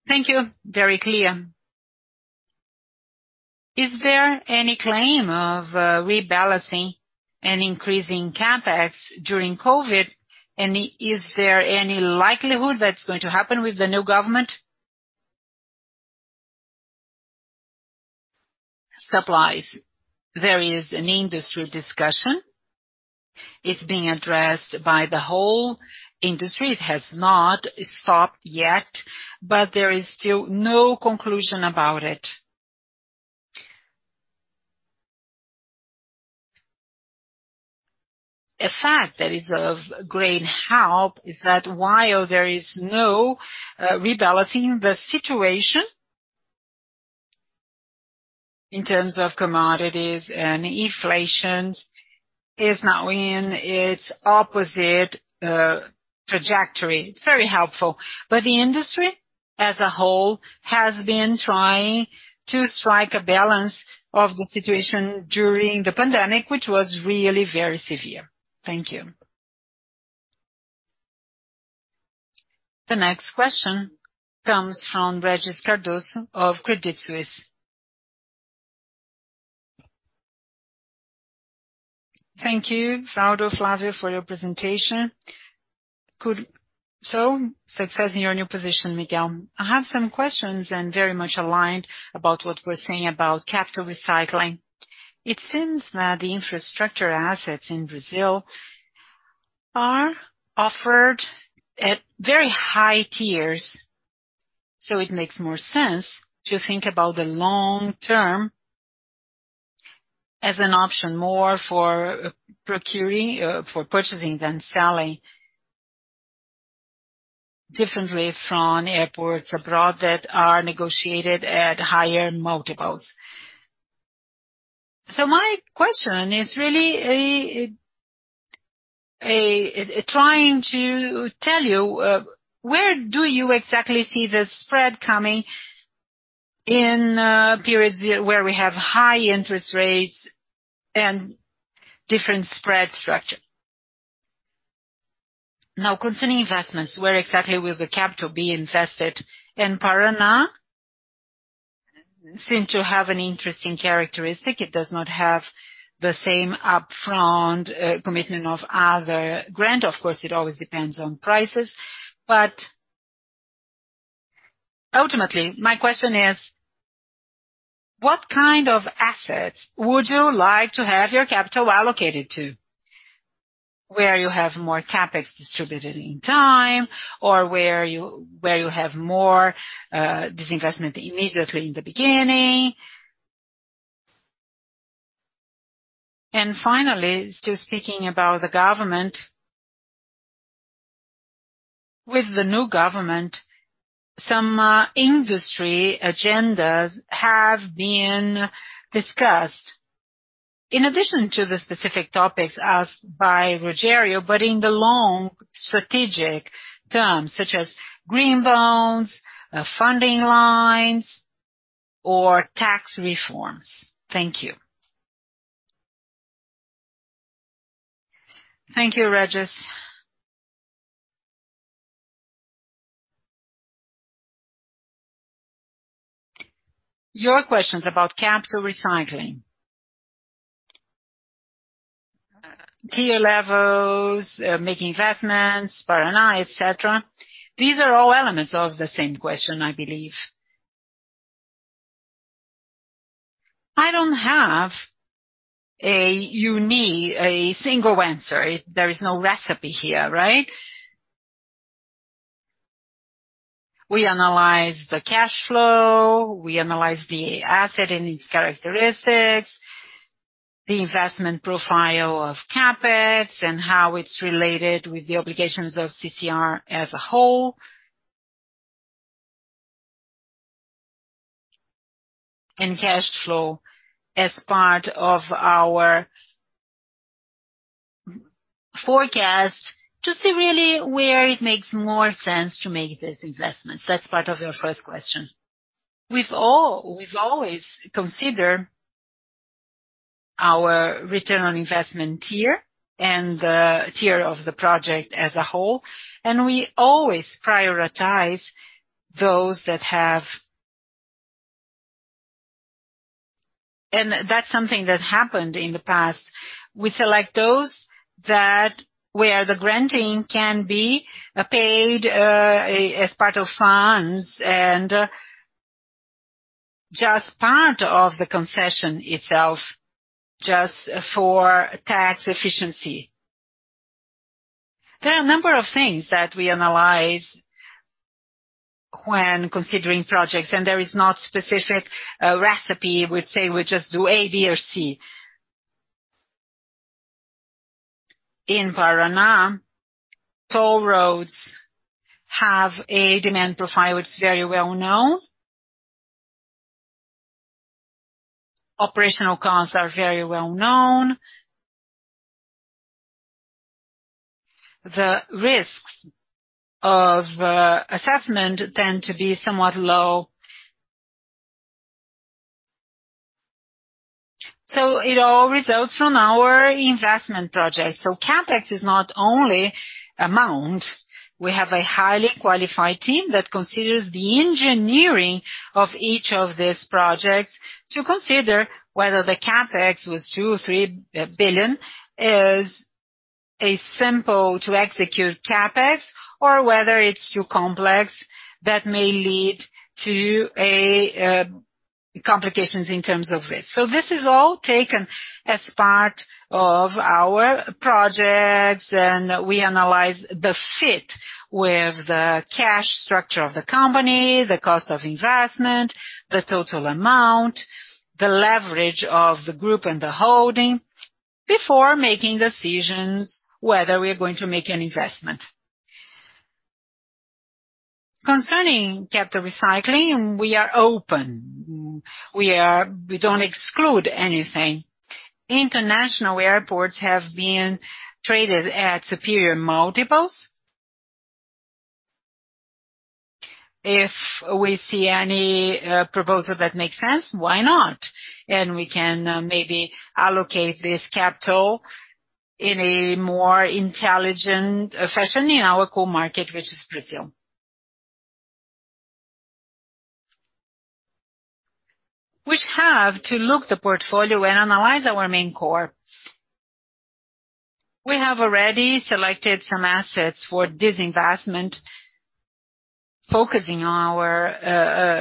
Thank you. Very clear. Is there any claim of rebalancing and increasing CapEx during COVID? Is there any likelihood that's going to happen with the new government? Supplies. There is an industry discussion. It's being addressed by the whole industry. It has not stopped yet, but there is still no conclusion about it. A fact that is of great help is that while there is no rebalancing the situation in terms of commodities and inflations is now in its opposite trajectory. It's very helpful. The industry as a whole has been trying to strike a balance of the situation during the pandemic, which was really very severe. Thank you. The next question comes from Regis Cardoso of Credit Suisse. Thank you, Waldo, Flávia, for your presentation. Success in your new position, Miguel. I have some questions and very much aligned about what we're saying about capital recycling. It seems that the infrastructure assets in Brazil are offered at very high tiers, so it makes more sense to think about the long term as an option more for procuring for purchasing than selling. Differently from airports abroad that are negotiated at higher multiples. My question is really trying to tell you where do you exactly see the spread coming in periods where we have high interest rates and different spread structure? Concerning investments, where exactly will the capital be invested? In Paraná seem to have an interesting characteristic. It does not have the same upfront commitment of other grant. Of course, it always depends on prices. Ultimately, my question is What kind of assets would you like to have your capital allocated to? Where you have more CapEx distributed in time or where you have more disinvestment immediately in the beginning. Finally, still speaking about the government. With the new government, some industry agendas have been discussed in addition to the specific topics asked by Rogerio, but in the long strategic terms such as green bonds, funding lines, or tax reforms. Thank you. Thank you, Regis. Your questions about capital recycling. Tier levels, making investments, Paraná, et cetera, these are all elements of the same question, I believe. I don't have a unique, a single answer. There is no recipe here, right? We analyze the cash flow, we analyze the asset and its characteristics, the investment profile of CapEx and how it's related with the obligations of CCR as a whole. Cash flow as part of our forecast to see really where it makes more sense to make these investments. That's part of your first question. We've always considered our return on investment tier and the tier of the project as a whole. We always prioritize those that have. That's something that happened in the past. We select those that where the granting can be paid as part of funds and just part of the concession itself just for tax efficiency. There are a number of things that we analyze when considering projects, there is not specific recipe. We say we just do A, B, or C. In Paraná, toll roads have a demand profile which is very well known. Operational costs are very well known. The risks of assessment tend to be somewhat low. It all results from our investment project. CapEx is not only amount. We have a highly qualified team that considers the engineering of each of these projects to consider whether the CapEx was 2 or 3 billion is a simple to execute CapEx or whether it's too complex that may lead to complications in terms of risk. This is all taken as part of our projects, we analyze the fit with the cash structure of the company, the cost of investment, the total amount, the leverage of the group and the holding before making decisions whether we are going to make an investment. Concerning capital recycling, we are open. We don't exclude anything. International airports have been traded at superior multiples. If we see any proposal that makes sense, why not? We can maybe allocate this capital in a more intelligent fashion in our core market, which is Brazil. We have to look the portfolio and analyze our main core. We have already selected some assets for disinvestment, focusing our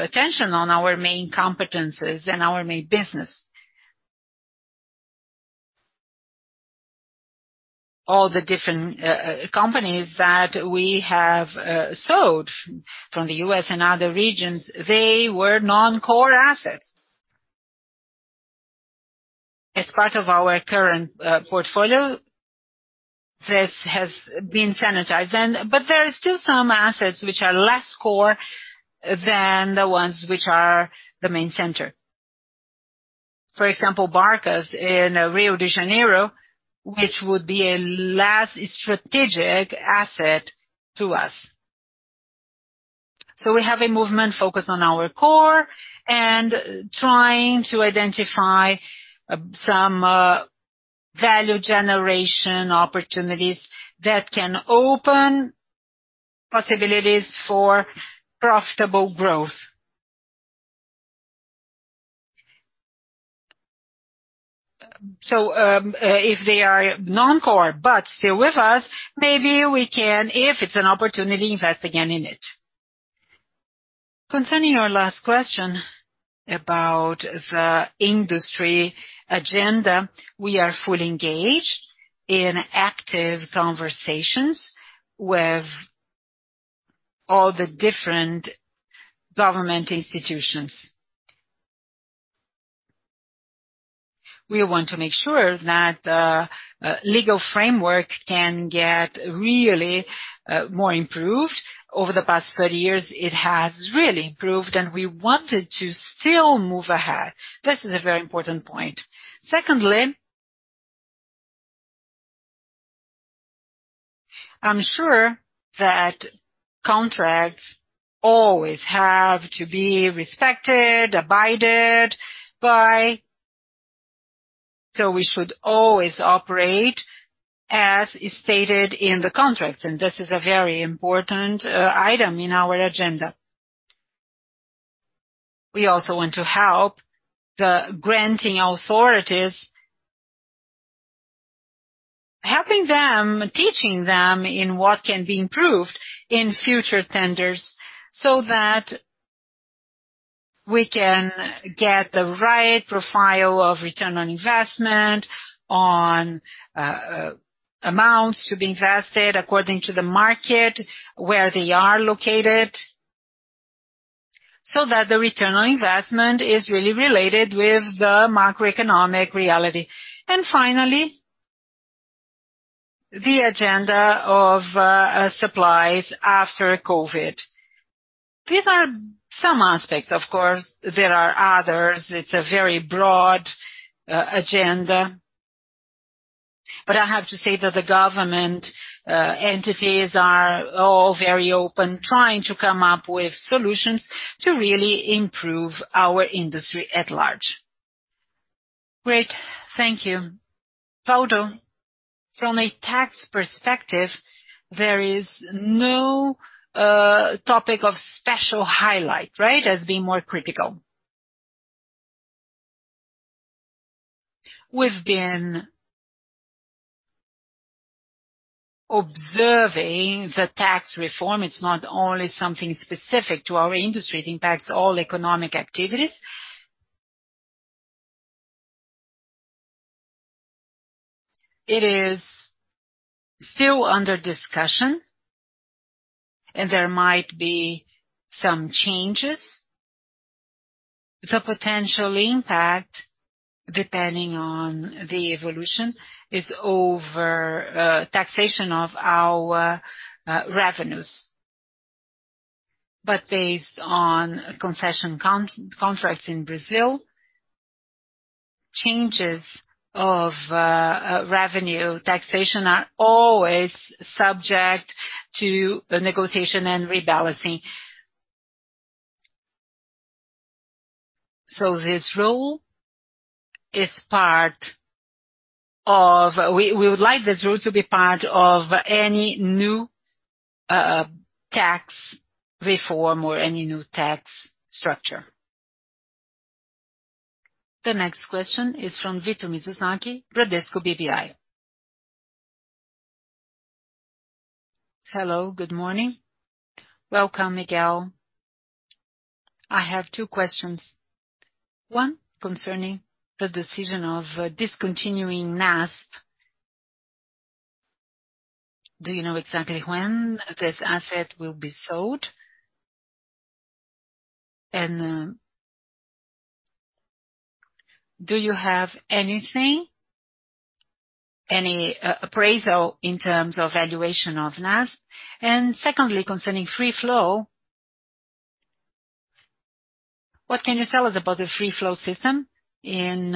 attention on our main competences and our main business. All the different companies that we have sold from the U.S. and other regions, they were non-core assets. As part of our current portfolio, this has been sanitized but there are still some assets which are less core than the ones which are the main center. For example, Barcas in Rio de Janeiro, which would be a less strategic asset to us. We have a movement focused on our core and trying to identify some value generation opportunities that can open possibilities for profitable growth. If they are non-core but still with us, maybe we can, if it's an opportunity, invest again in it. Concerning your last question about the industry agenda, we are fully engaged in active conversations with all the different government institutions. We want to make sure that legal framework can get really more improved. Over the past 30 years, it has really improved, and we wanted to still move ahead. This is a very important point. Secondly, I'm sure that contracts always have to be respected, abided by. We should always operate as is stated in the contracts, and this is a very important item in our agenda. We also want to help the granting authorities. Helping them, teaching them in what can be improved in future tenders so that we can get the right profile of return on investment on amounts to be invested according to the market where they are located, so that the return on investment is really related with the macroeconomic reality. Finally, the agenda of supplies after COVID. These are some aspects. Of course, there are others. It's a very broad agenda. I have to say that the government entities are all very open, trying to come up with solutions to really improve our industry at large. Great. Thank you. Waldo, from a tax perspective, there is no topic of special highlight, right, as being more critical? We've been observing the tax reform. It's not only something specific to our industry. It impacts all economic activities. It is still under discussion, and there might be some changes. The potential impact, depending on the evolution, is over taxation of our revenues. Based on concession contracts in Brazil, changes of revenue taxation are always subject to the negotiation and rebalancing. We would like this rule to be part of any new tax reform or any new tax structure. The next question is from Victor Mizusaki, Bradesco BBI. Hello, good morning. Welcome, Miguel. I have two questions. One, concerning the decision of discontinuing NASP. Do you know exactly when this asset will be sold? Do you have anything, any appraisal in terms of valuation of NASP? Secondly, concerning Free Flow, what can you tell us about the Free Flow system in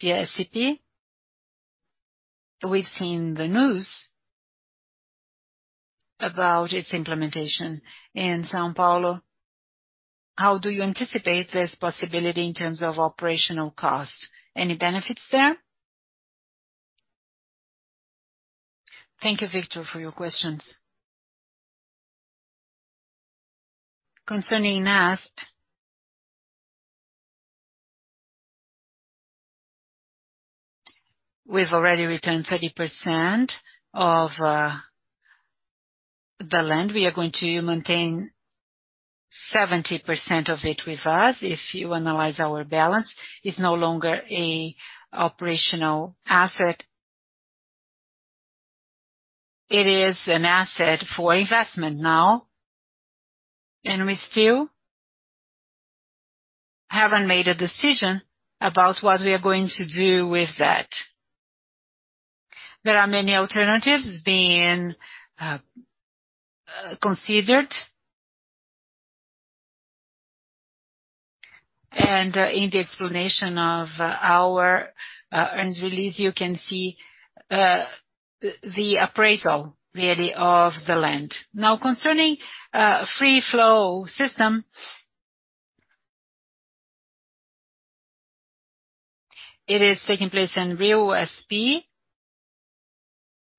via SCP? We've seen the news about its implementation in São Paulo. How do you anticipate this possibility in terms of operational costs? Any benefits there? Thank you, Victor, for your questions. Concerning NASP, we've already returned 30% of the land. We are going to maintain 70% of it with us. If you analyze our balance, it's no longer a operational asset. It is an asset for investment now, and we still haven't made a decision about what we are going to do with that. There are many alternatives being considered. In the explanation of our earnings release, you can see the appraisal really of the land. Now, concerning Free Flow system, it is taking place in RioSP.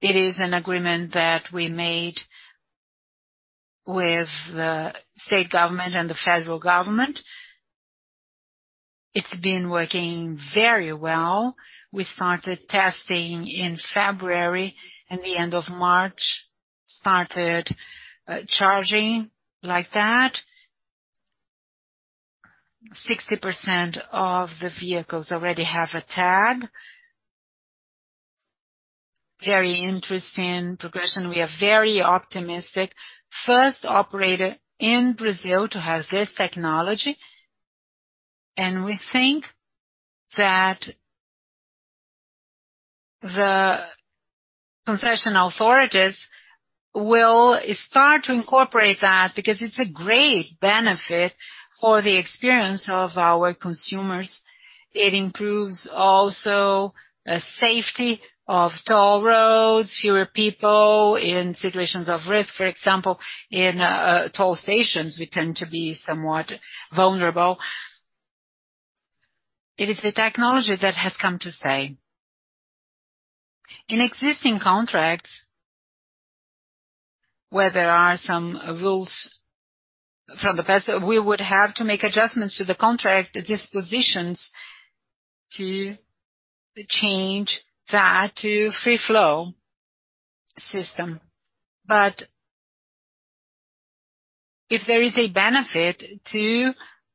It is an agreement that we made with the state government and the federal government. It's been working very well. We started testing in February, and the end of March started charging like that. 60% of the vehicles already have a tag. Very interesting progression. We are very optimistic. First operator in Brazil to have this technology, and we think that the concession authorities will start to incorporate that because it's a great benefit for the experience of our consumers. It improves also safety of toll roads, fewer people in situations of risk. For example, in toll stations, we tend to be somewhat vulnerable. It is a technology that has come to stay. In existing contracts, where there are some rules from the past, that we would have to make adjustments to the contract dispositions to change that to Free Flow system. If there is a benefit to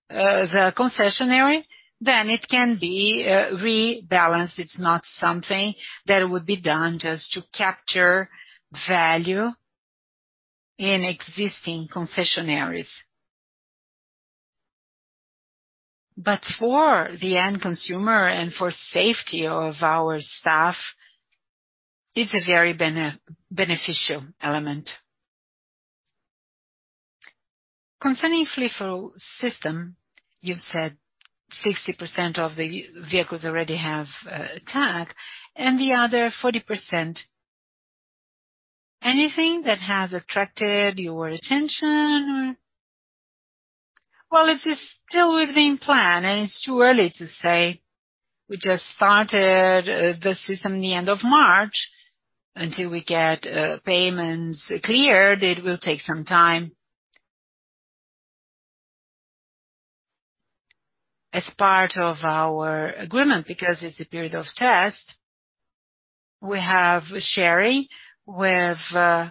the concessionary, then it can be rebalanced. It's not something that would be done just to capture value in existing concessionaries. For the end consumer and for safety of our staff, it's a very beneficial element. Concerning Free Flow system, you've said 60% of the vehicles already have a tag and the other 40%. Anything that has attracted your attention or. Well, it is still within plan, and it's too early to say. We just started the system in the end of March. Until we get payments cleared, it will take some time. As part of our agreement, because it's a period of test, we have sharing with the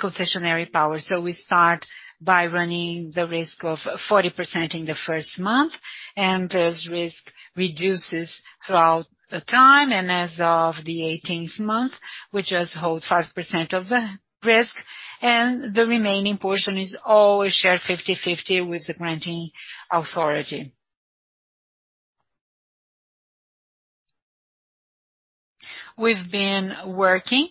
concessionary power. We start by running the risk of 40% in the 1st month, and this risk reduces throughout the time. As of the 18th month, we just hold 5% of the risk, and the remaining portion is always shared 50/50 with the granting authority. We've been working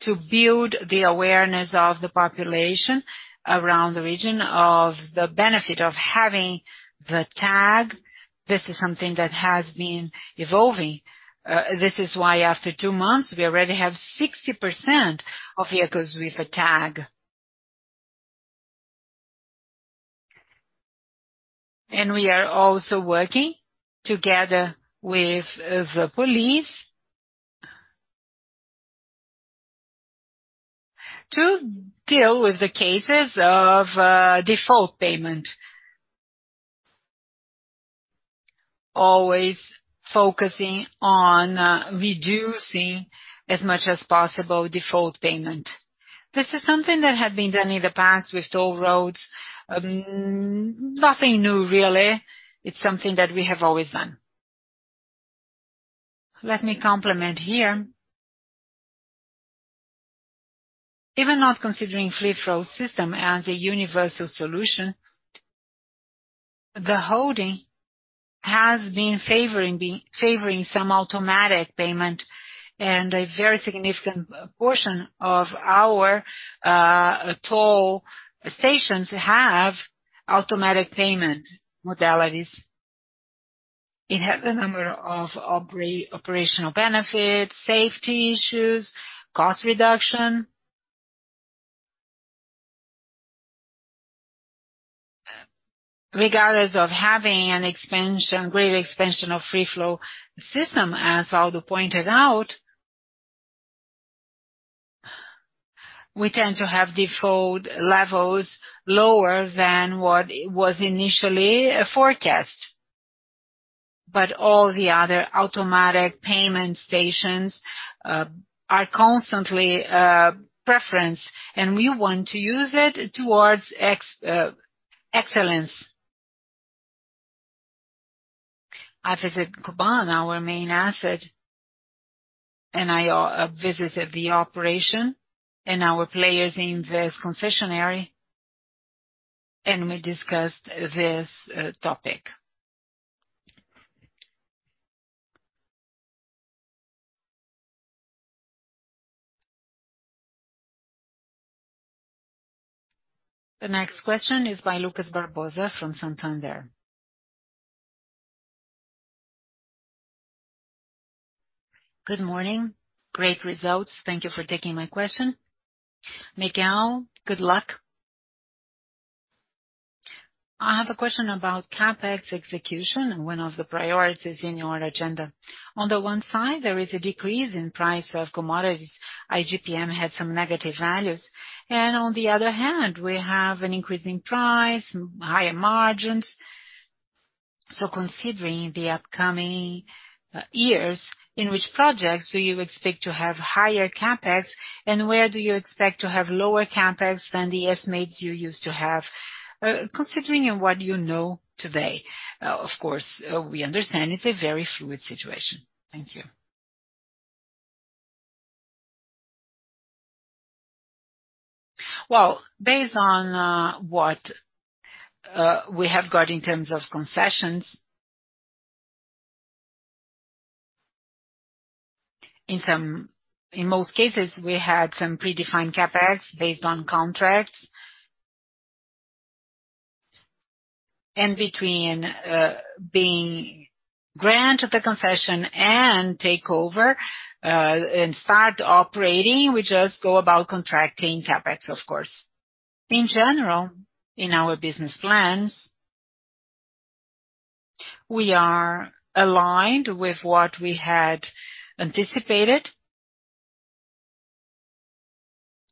to build the awareness of the population around the region of the benefit of having the tag. This is something that has been evolving. This is why, after 2 months, we already have 60% of vehicles with a tag. We are also working together with the police to deal with the cases of default payment. Always focusing on reducing, as much as possible, default payment. This is something that had been done in the past with toll roads. Nothing new really, it's something that we have always done. Let me complement here. Even not considering Free Flow system as a universal solution, the holding has been favoring favoring some automatic payment, and a very significant portion of our toll stations have automatic payment modalities. It has a number of operational benefits, safety issues, cost reduction. Regardless of having an expansion, great expansion of Free Flow system, as Waldo pointed out, we tend to have default levels lower than what was initially forecast. All the other automatic payment stations are constantly preference, and we want to use it towards excellence. I visited AutoBAn, our main asset, I visited the operation and our players in this concession area, and we discussed this topic. The next question is by Lucas Barbosa from Santander. Good morning. Great results. Thank you for taking my question. Miguel, I have a question about CapEx execution, one of the priorities in your agenda. On the one side, there is a decrease in price of commodities. IGPM had some negative values. On the other hand, we have an increasing price, higher margins. Considering the upcoming years, in which projects do you expect to have higher CapEx, and where do you expect to have lower CapEx than the estimates you used to have, considering in what you know today? Of course, we understand it's a very fluid situation. Thank you. Well, based on what we have got in terms of concessions. In most cases, we had some predefined CapEx based on contracts. Between being granted the concession and takeover and start operating, we just go about contracting CapEx, of course. In general, in our business plans, we are aligned with what we had anticipated.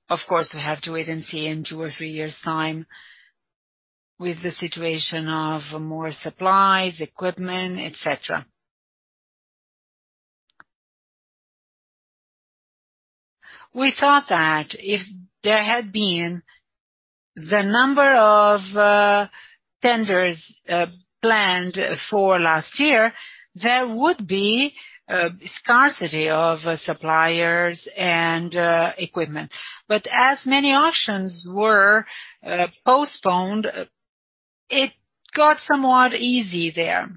Of course, we have to wait and see in two or three years' time with the situation of more supplies, equipment, et cetera. We thought that if there had been the number of tenders planned for last year, there would be scarcity of suppliers and equipment. As many auctions were postponed, it got somewhat easy there.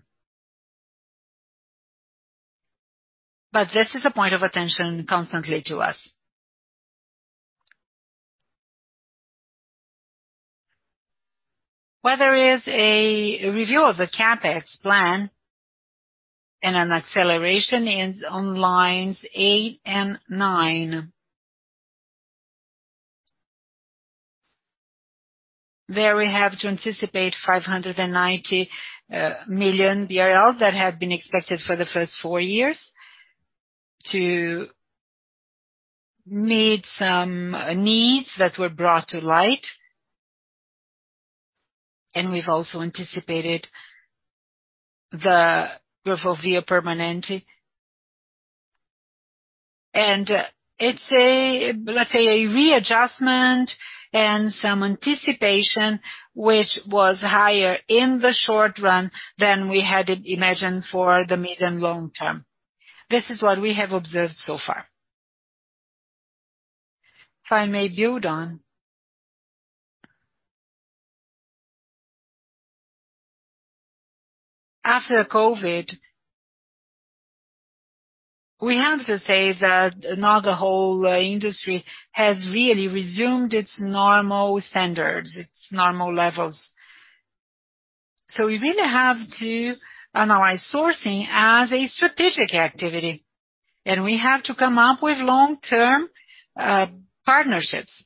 This is a point of attention constantly to us. Where there is a review of the CapEx plan and an acceleration is on lines 8 and 9. There we have to anticipate 590 million BRL that had been expected for the first 4 years to meet some needs that were brought to light. We've also anticipated the Revolvia Permanente. It's a, let's say, a readjustment and some anticipation, which was higher in the short run than we had imagined for the mid and long term. This is what we have observed so far. If I may build on. After COVID, we have to say that not the whole industry has really resumed its normal standards, its normal levels. We really have to analyze sourcing as a strategic activity, and we have to come up with long-term partnerships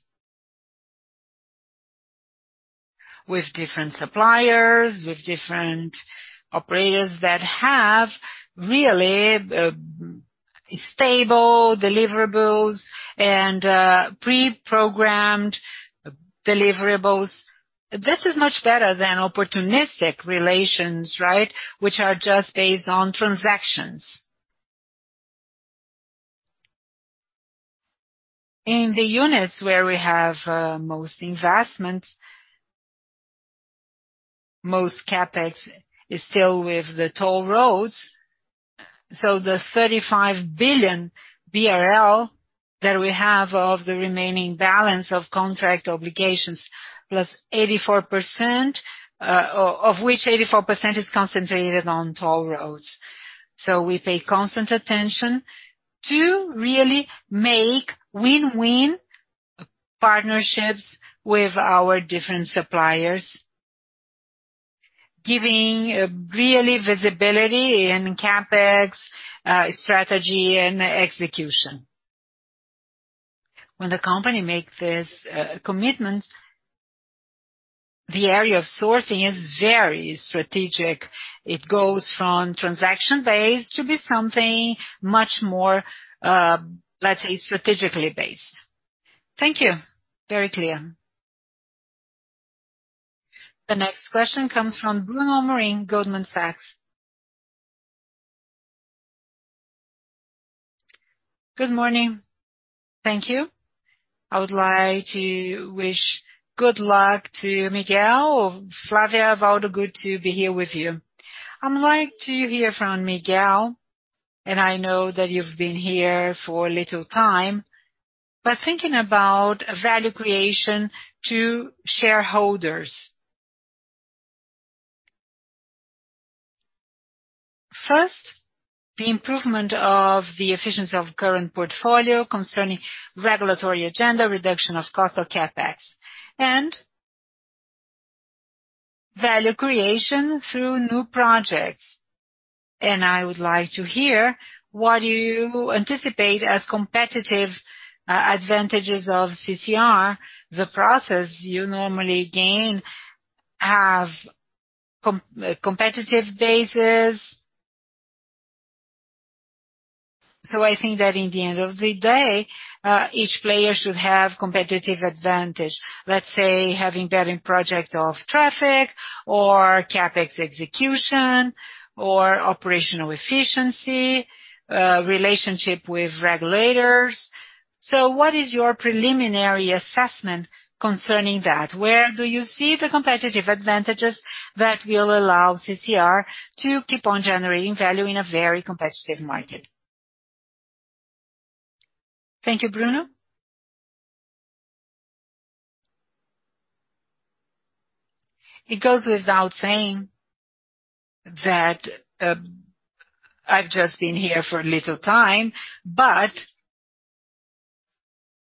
with different suppliers, with different operators that have really stable deliverables and pre-programmed deliverables. This is much better than opportunistic relations, right, which are just based on transactions. In the units where we have most investments, most CapEx is still with the toll roads. The 35 billion BRL that we have of the remaining balance of contract obligations, of which 84% is concentrated on toll roads. We pay constant attention to really make win-win partnerships with our different suppliers, giving really visibility in CapEx strategy and execution. When the company makes this commitment, the area of sourcing is very strategic. It goes from transaction-based to be something much more, let's say, strategically based. Thank you. Very clear. The next question comes from Bruno Amorim, Goldman Sachs. Good morning. Thank you. I would like to wish good luck to Miguel. Flávia, Waldo, good to be here with you. I would like to hear from Miguel. I know that you've been here for a little time, thinking about value creation to shareholders. First, the improvement of the efficiency of current portfolio concerning regulatory agenda, reduction of cost of CapEx, and value creation through new projects. I would like to hear what you anticipate as competitive advantages of CCR. The process you normally gain have competitive bases. I think that in the end of the day, each player should have competitive advantage. Let's say, having better project of traffic or CapEx execution or operational efficiency, relationship with regulators. What is your preliminary assessment concerning that? Where do you see the competitive advantages that will allow CCR to keep on generating value in a very competitive market? Thank you, Bruno. It goes without saying that I've just been here for a little time, but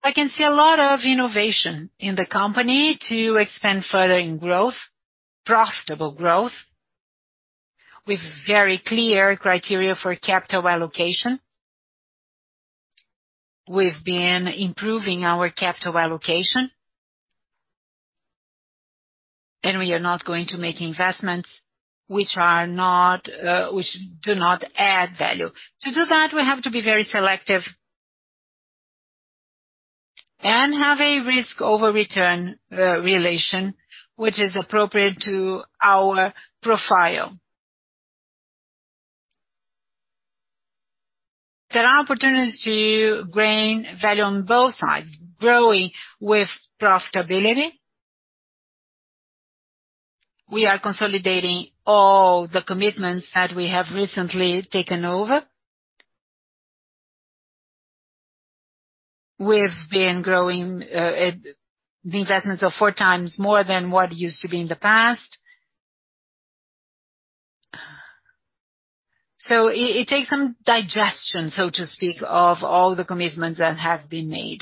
I can see a lot of innovation in the company to expand further in growth, profitable growth, with very clear criteria for capital allocation. We've been improving our capital allocation. We are not going to make investments which do not add value. To do that, we have to be very selective and have a risk over return relation which is appropriate to our profile. There are opportunities to gain value on both sides, growing with profitability. We are consolidating all the commitments that we have recently taken over. We've been growing the investments of four times more than what used to be in the past. It takes some digestion, so to speak, of all the commitments that have been made.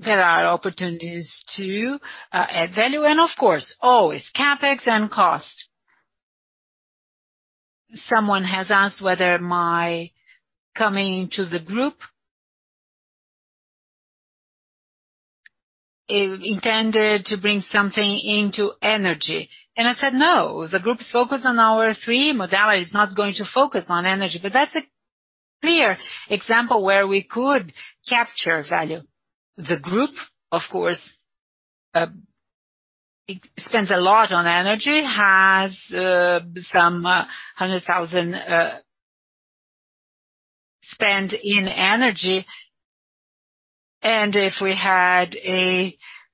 There are opportunities to add value and of course, always CapEx and cost. Someone has asked whether my coming to the group intended to bring something into energy. I said, no, the group is focused on our three modalities, it's not going to focus on energy. That's a clear example where we could capture value. The group, of course, spends a lot on energy, has 100,000 spend in energy. If we had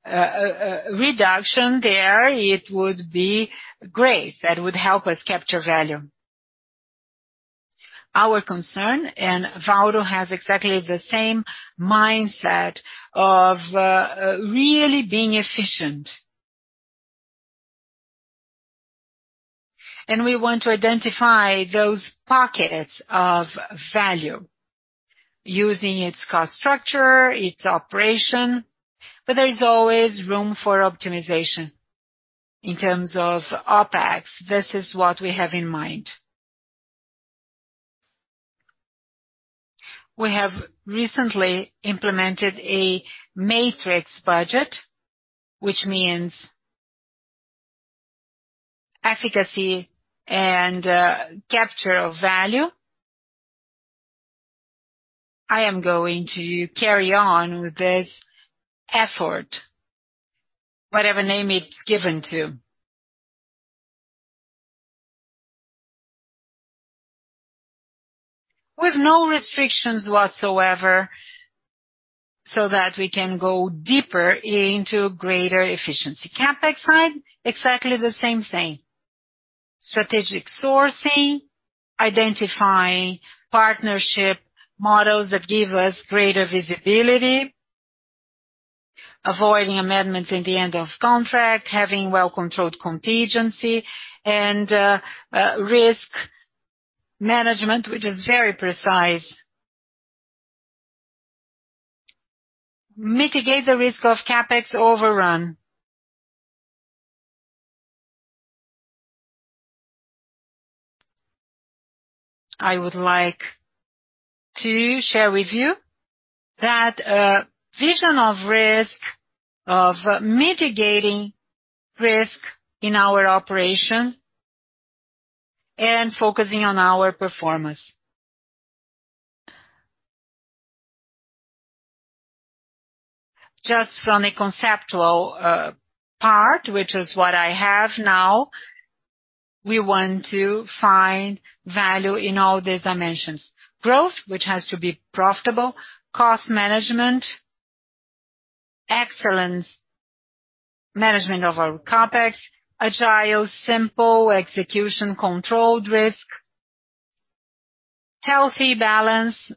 a reduction there, it would be great. That would help us capture value. Our concern, Waldo has exactly the same mindset of really being efficient. We want to identify those pockets of value using its cost structure, its operation, but there is always room for optimization. In terms of OpEx, this is what we have in mind. We have recently implemented a matrix budget, which means efficacy and capture of value. I am going to carry on with this effort, whatever name it's given to. No restrictions whatsoever, so that we can go deeper into greater efficiency. CapEx side, exactly the same thing. Strategic sourcing, identifying partnership models that give us greater visibility, avoiding amendments in the end of contract, having well-controlled contingency and risk management, which is very precise. Mitigate the risk of CapEx overrun. I would like to share with you that vision of risk, of mitigating risk in our operation and focusing on our performance. Just from a conceptual part, which is what I have now, we want to find value in all these dimensions. Growth, which has to be profitable, cost management, excellence management of our CapEx, agile, simple execution, controlled risk, healthy balance,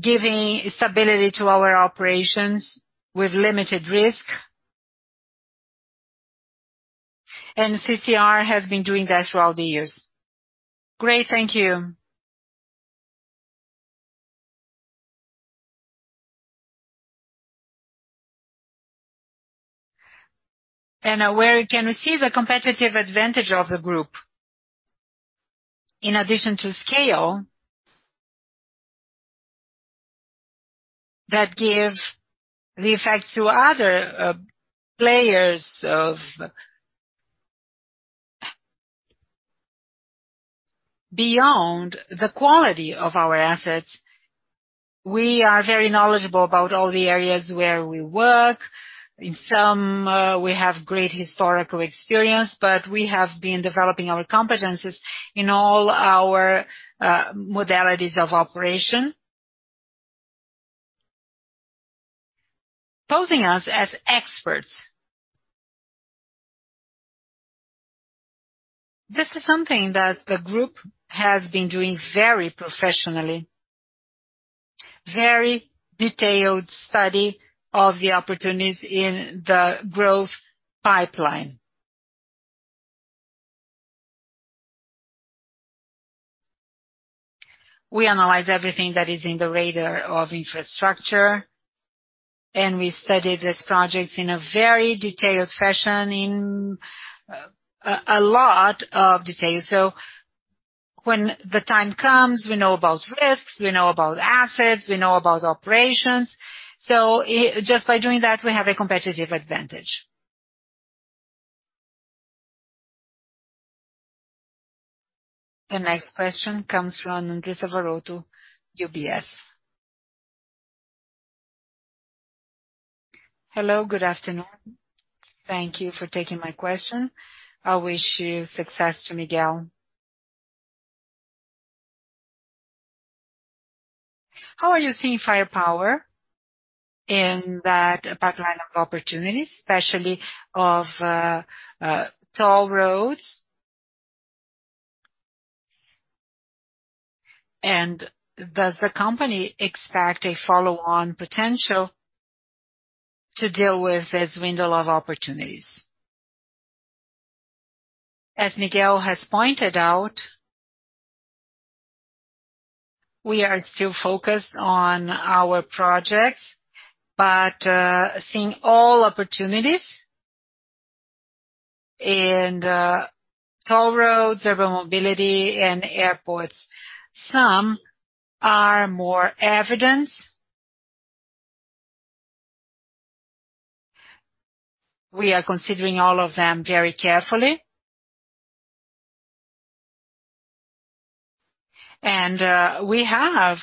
giving stability to our operations with limited risk. CCR has been doing that throughout the years. Great. Thank you. Where it can receive a competitive advantage of the group in addition to scale that give the effect to other players of. Beyond the quality of our assets, we are very knowledgeable about all the areas where we work. In some, we have great historical experience, but we have been developing our competencies in all our modalities of operation. Posing us as experts. This is something that the group has been doing very professionally. Very detailed study of the opportunities in the growth pipeline. We analyze everything that is in the radar of infrastructure. We study these projects in a very detailed fashion, in a lot of detail. When the time comes, we know about risks, we know about assets, we know about operations. Just by doing that, we have a competitive advantage. The next question comes from Andressa Varotto, UBS. Hello, good afternoon. Thank you for taking my question. I wish you success, Miguel. How are you seeing firepower in that pipeline of opportunities, especially of toll roads? Does the company expect a follow-on potential to deal with this window of opportunities? As Miguel has pointed out, we are still focused on our projects, but seeing all opportunities in the toll roads, urban mobility and airports, some are more evident. We are considering all of them very carefully. We have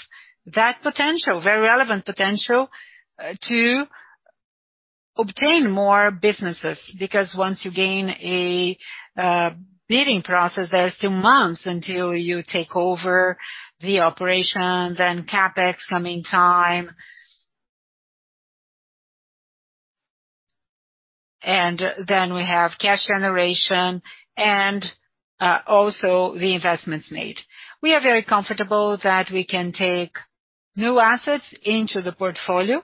that potential, very relevant potential to obtain more businesses, because once you gain a bidding process, there are still months until you take over the operation, then CapEx coming time. Then we have cash generation and also the investments made. We are very comfortable that we can take new assets into the portfolio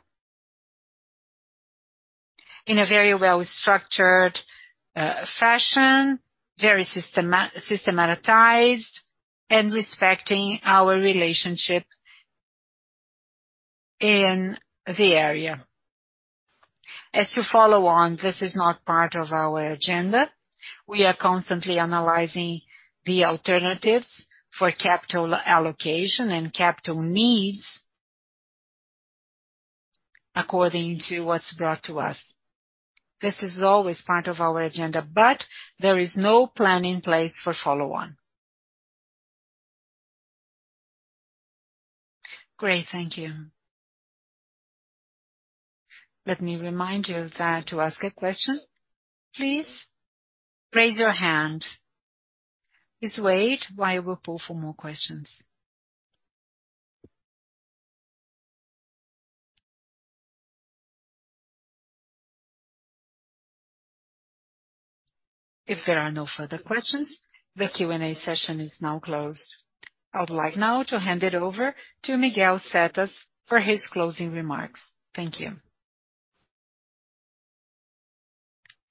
in a very well-structured fashion, very systematized and respecting our relationship in the area. To follow on, this is not part of our agenda. We are constantly analyzing the alternatives for capital allocation and capital needs according to what's brought to us. This is always part of our agenda. There is no plan in place for follow on. Great. Thank you. Let me remind you that to ask a question, please raise your hand. Please wait while we pull for more questions. If there are no further questions, the Q&A session is now closed. I would like now to hand it over to Miguel Setas for his closing remarks. Thank you.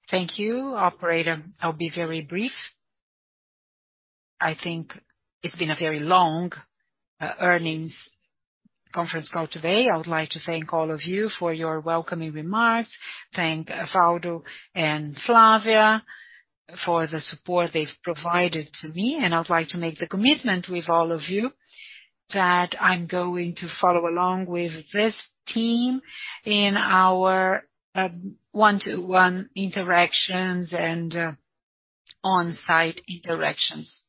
Thank you, operator. I'll be very brief. I think it's been a very long earnings conference call today. I would like to thank all of you for your welcoming remarks. Thank Waldo and Flávia for the support they've provided to me. I'd like to make the commitment with all of you that I'm going to follow along with this team in our one-to-one interactions and on-site interactions.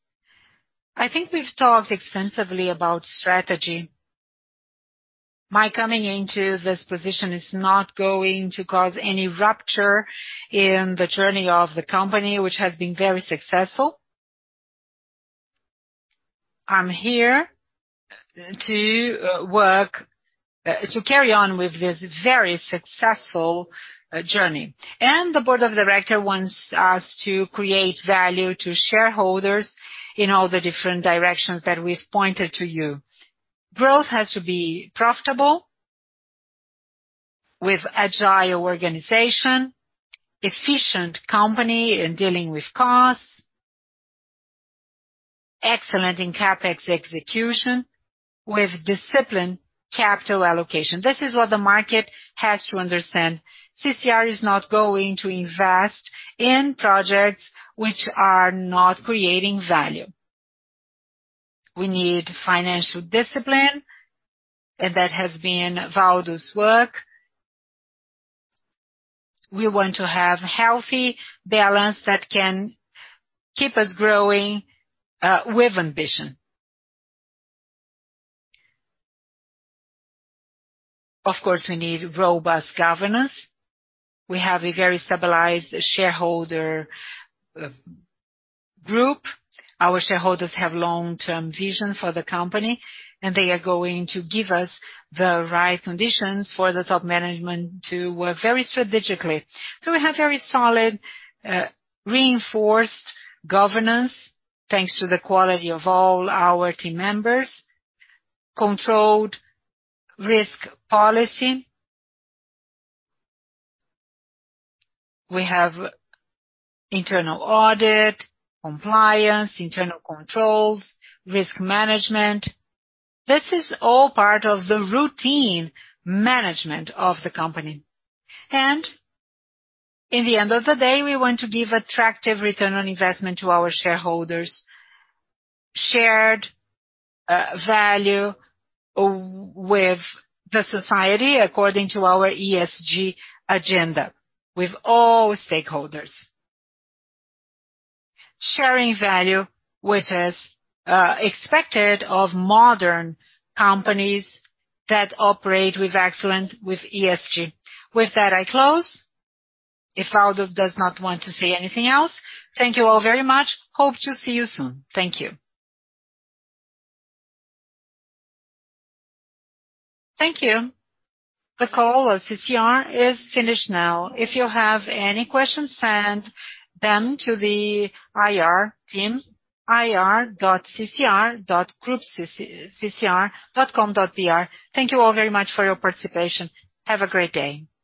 I think we've talked extensively about strategy. My coming into this position is not going to cause any rupture in the journey of the company, which has been very successful. I'm here to carry on with this very successful journey. The board of director wants us to create value to shareholders in all the different directions that we've pointed to you. Growth has to be profitable with agile organization, efficient company in dealing with costs. Excellent in CapEx execution with disciplined capital allocation. This is what the market has to understand. CCR is not going to invest in projects which are not creating value. We need financial discipline, and that has been Waldo's work. We want to have healthy balance that can keep us growing with ambition. Of course, we need robust governance. We have a very stabilized shareholder group. Our shareholders have long-term vision for the company, and they are going to give us the right conditions for the top management to work very strategically. We have very solid, reinforced governance, thanks to the quality of all our team members. Controlled risk policy. We have internal audit, compliance, internal controls, risk management. This is all part of the routine management of the company. In the end of the day, we want to give attractive return on investment to our shareholders. Shared value with the society according to our ESG agenda, with all stakeholders. Sharing value, which is expected of modern companies that operate with excellent with ESG. With that, I close. If Waldo does not want to say anything else. Thank you all very much. Hope to see you soon. Thank you. Thank you. The call of CCR is finished now. If you have any questions, send them to the IR team, ri.grupoccr.com.br. Thank you all very much for your participation. Have a great day.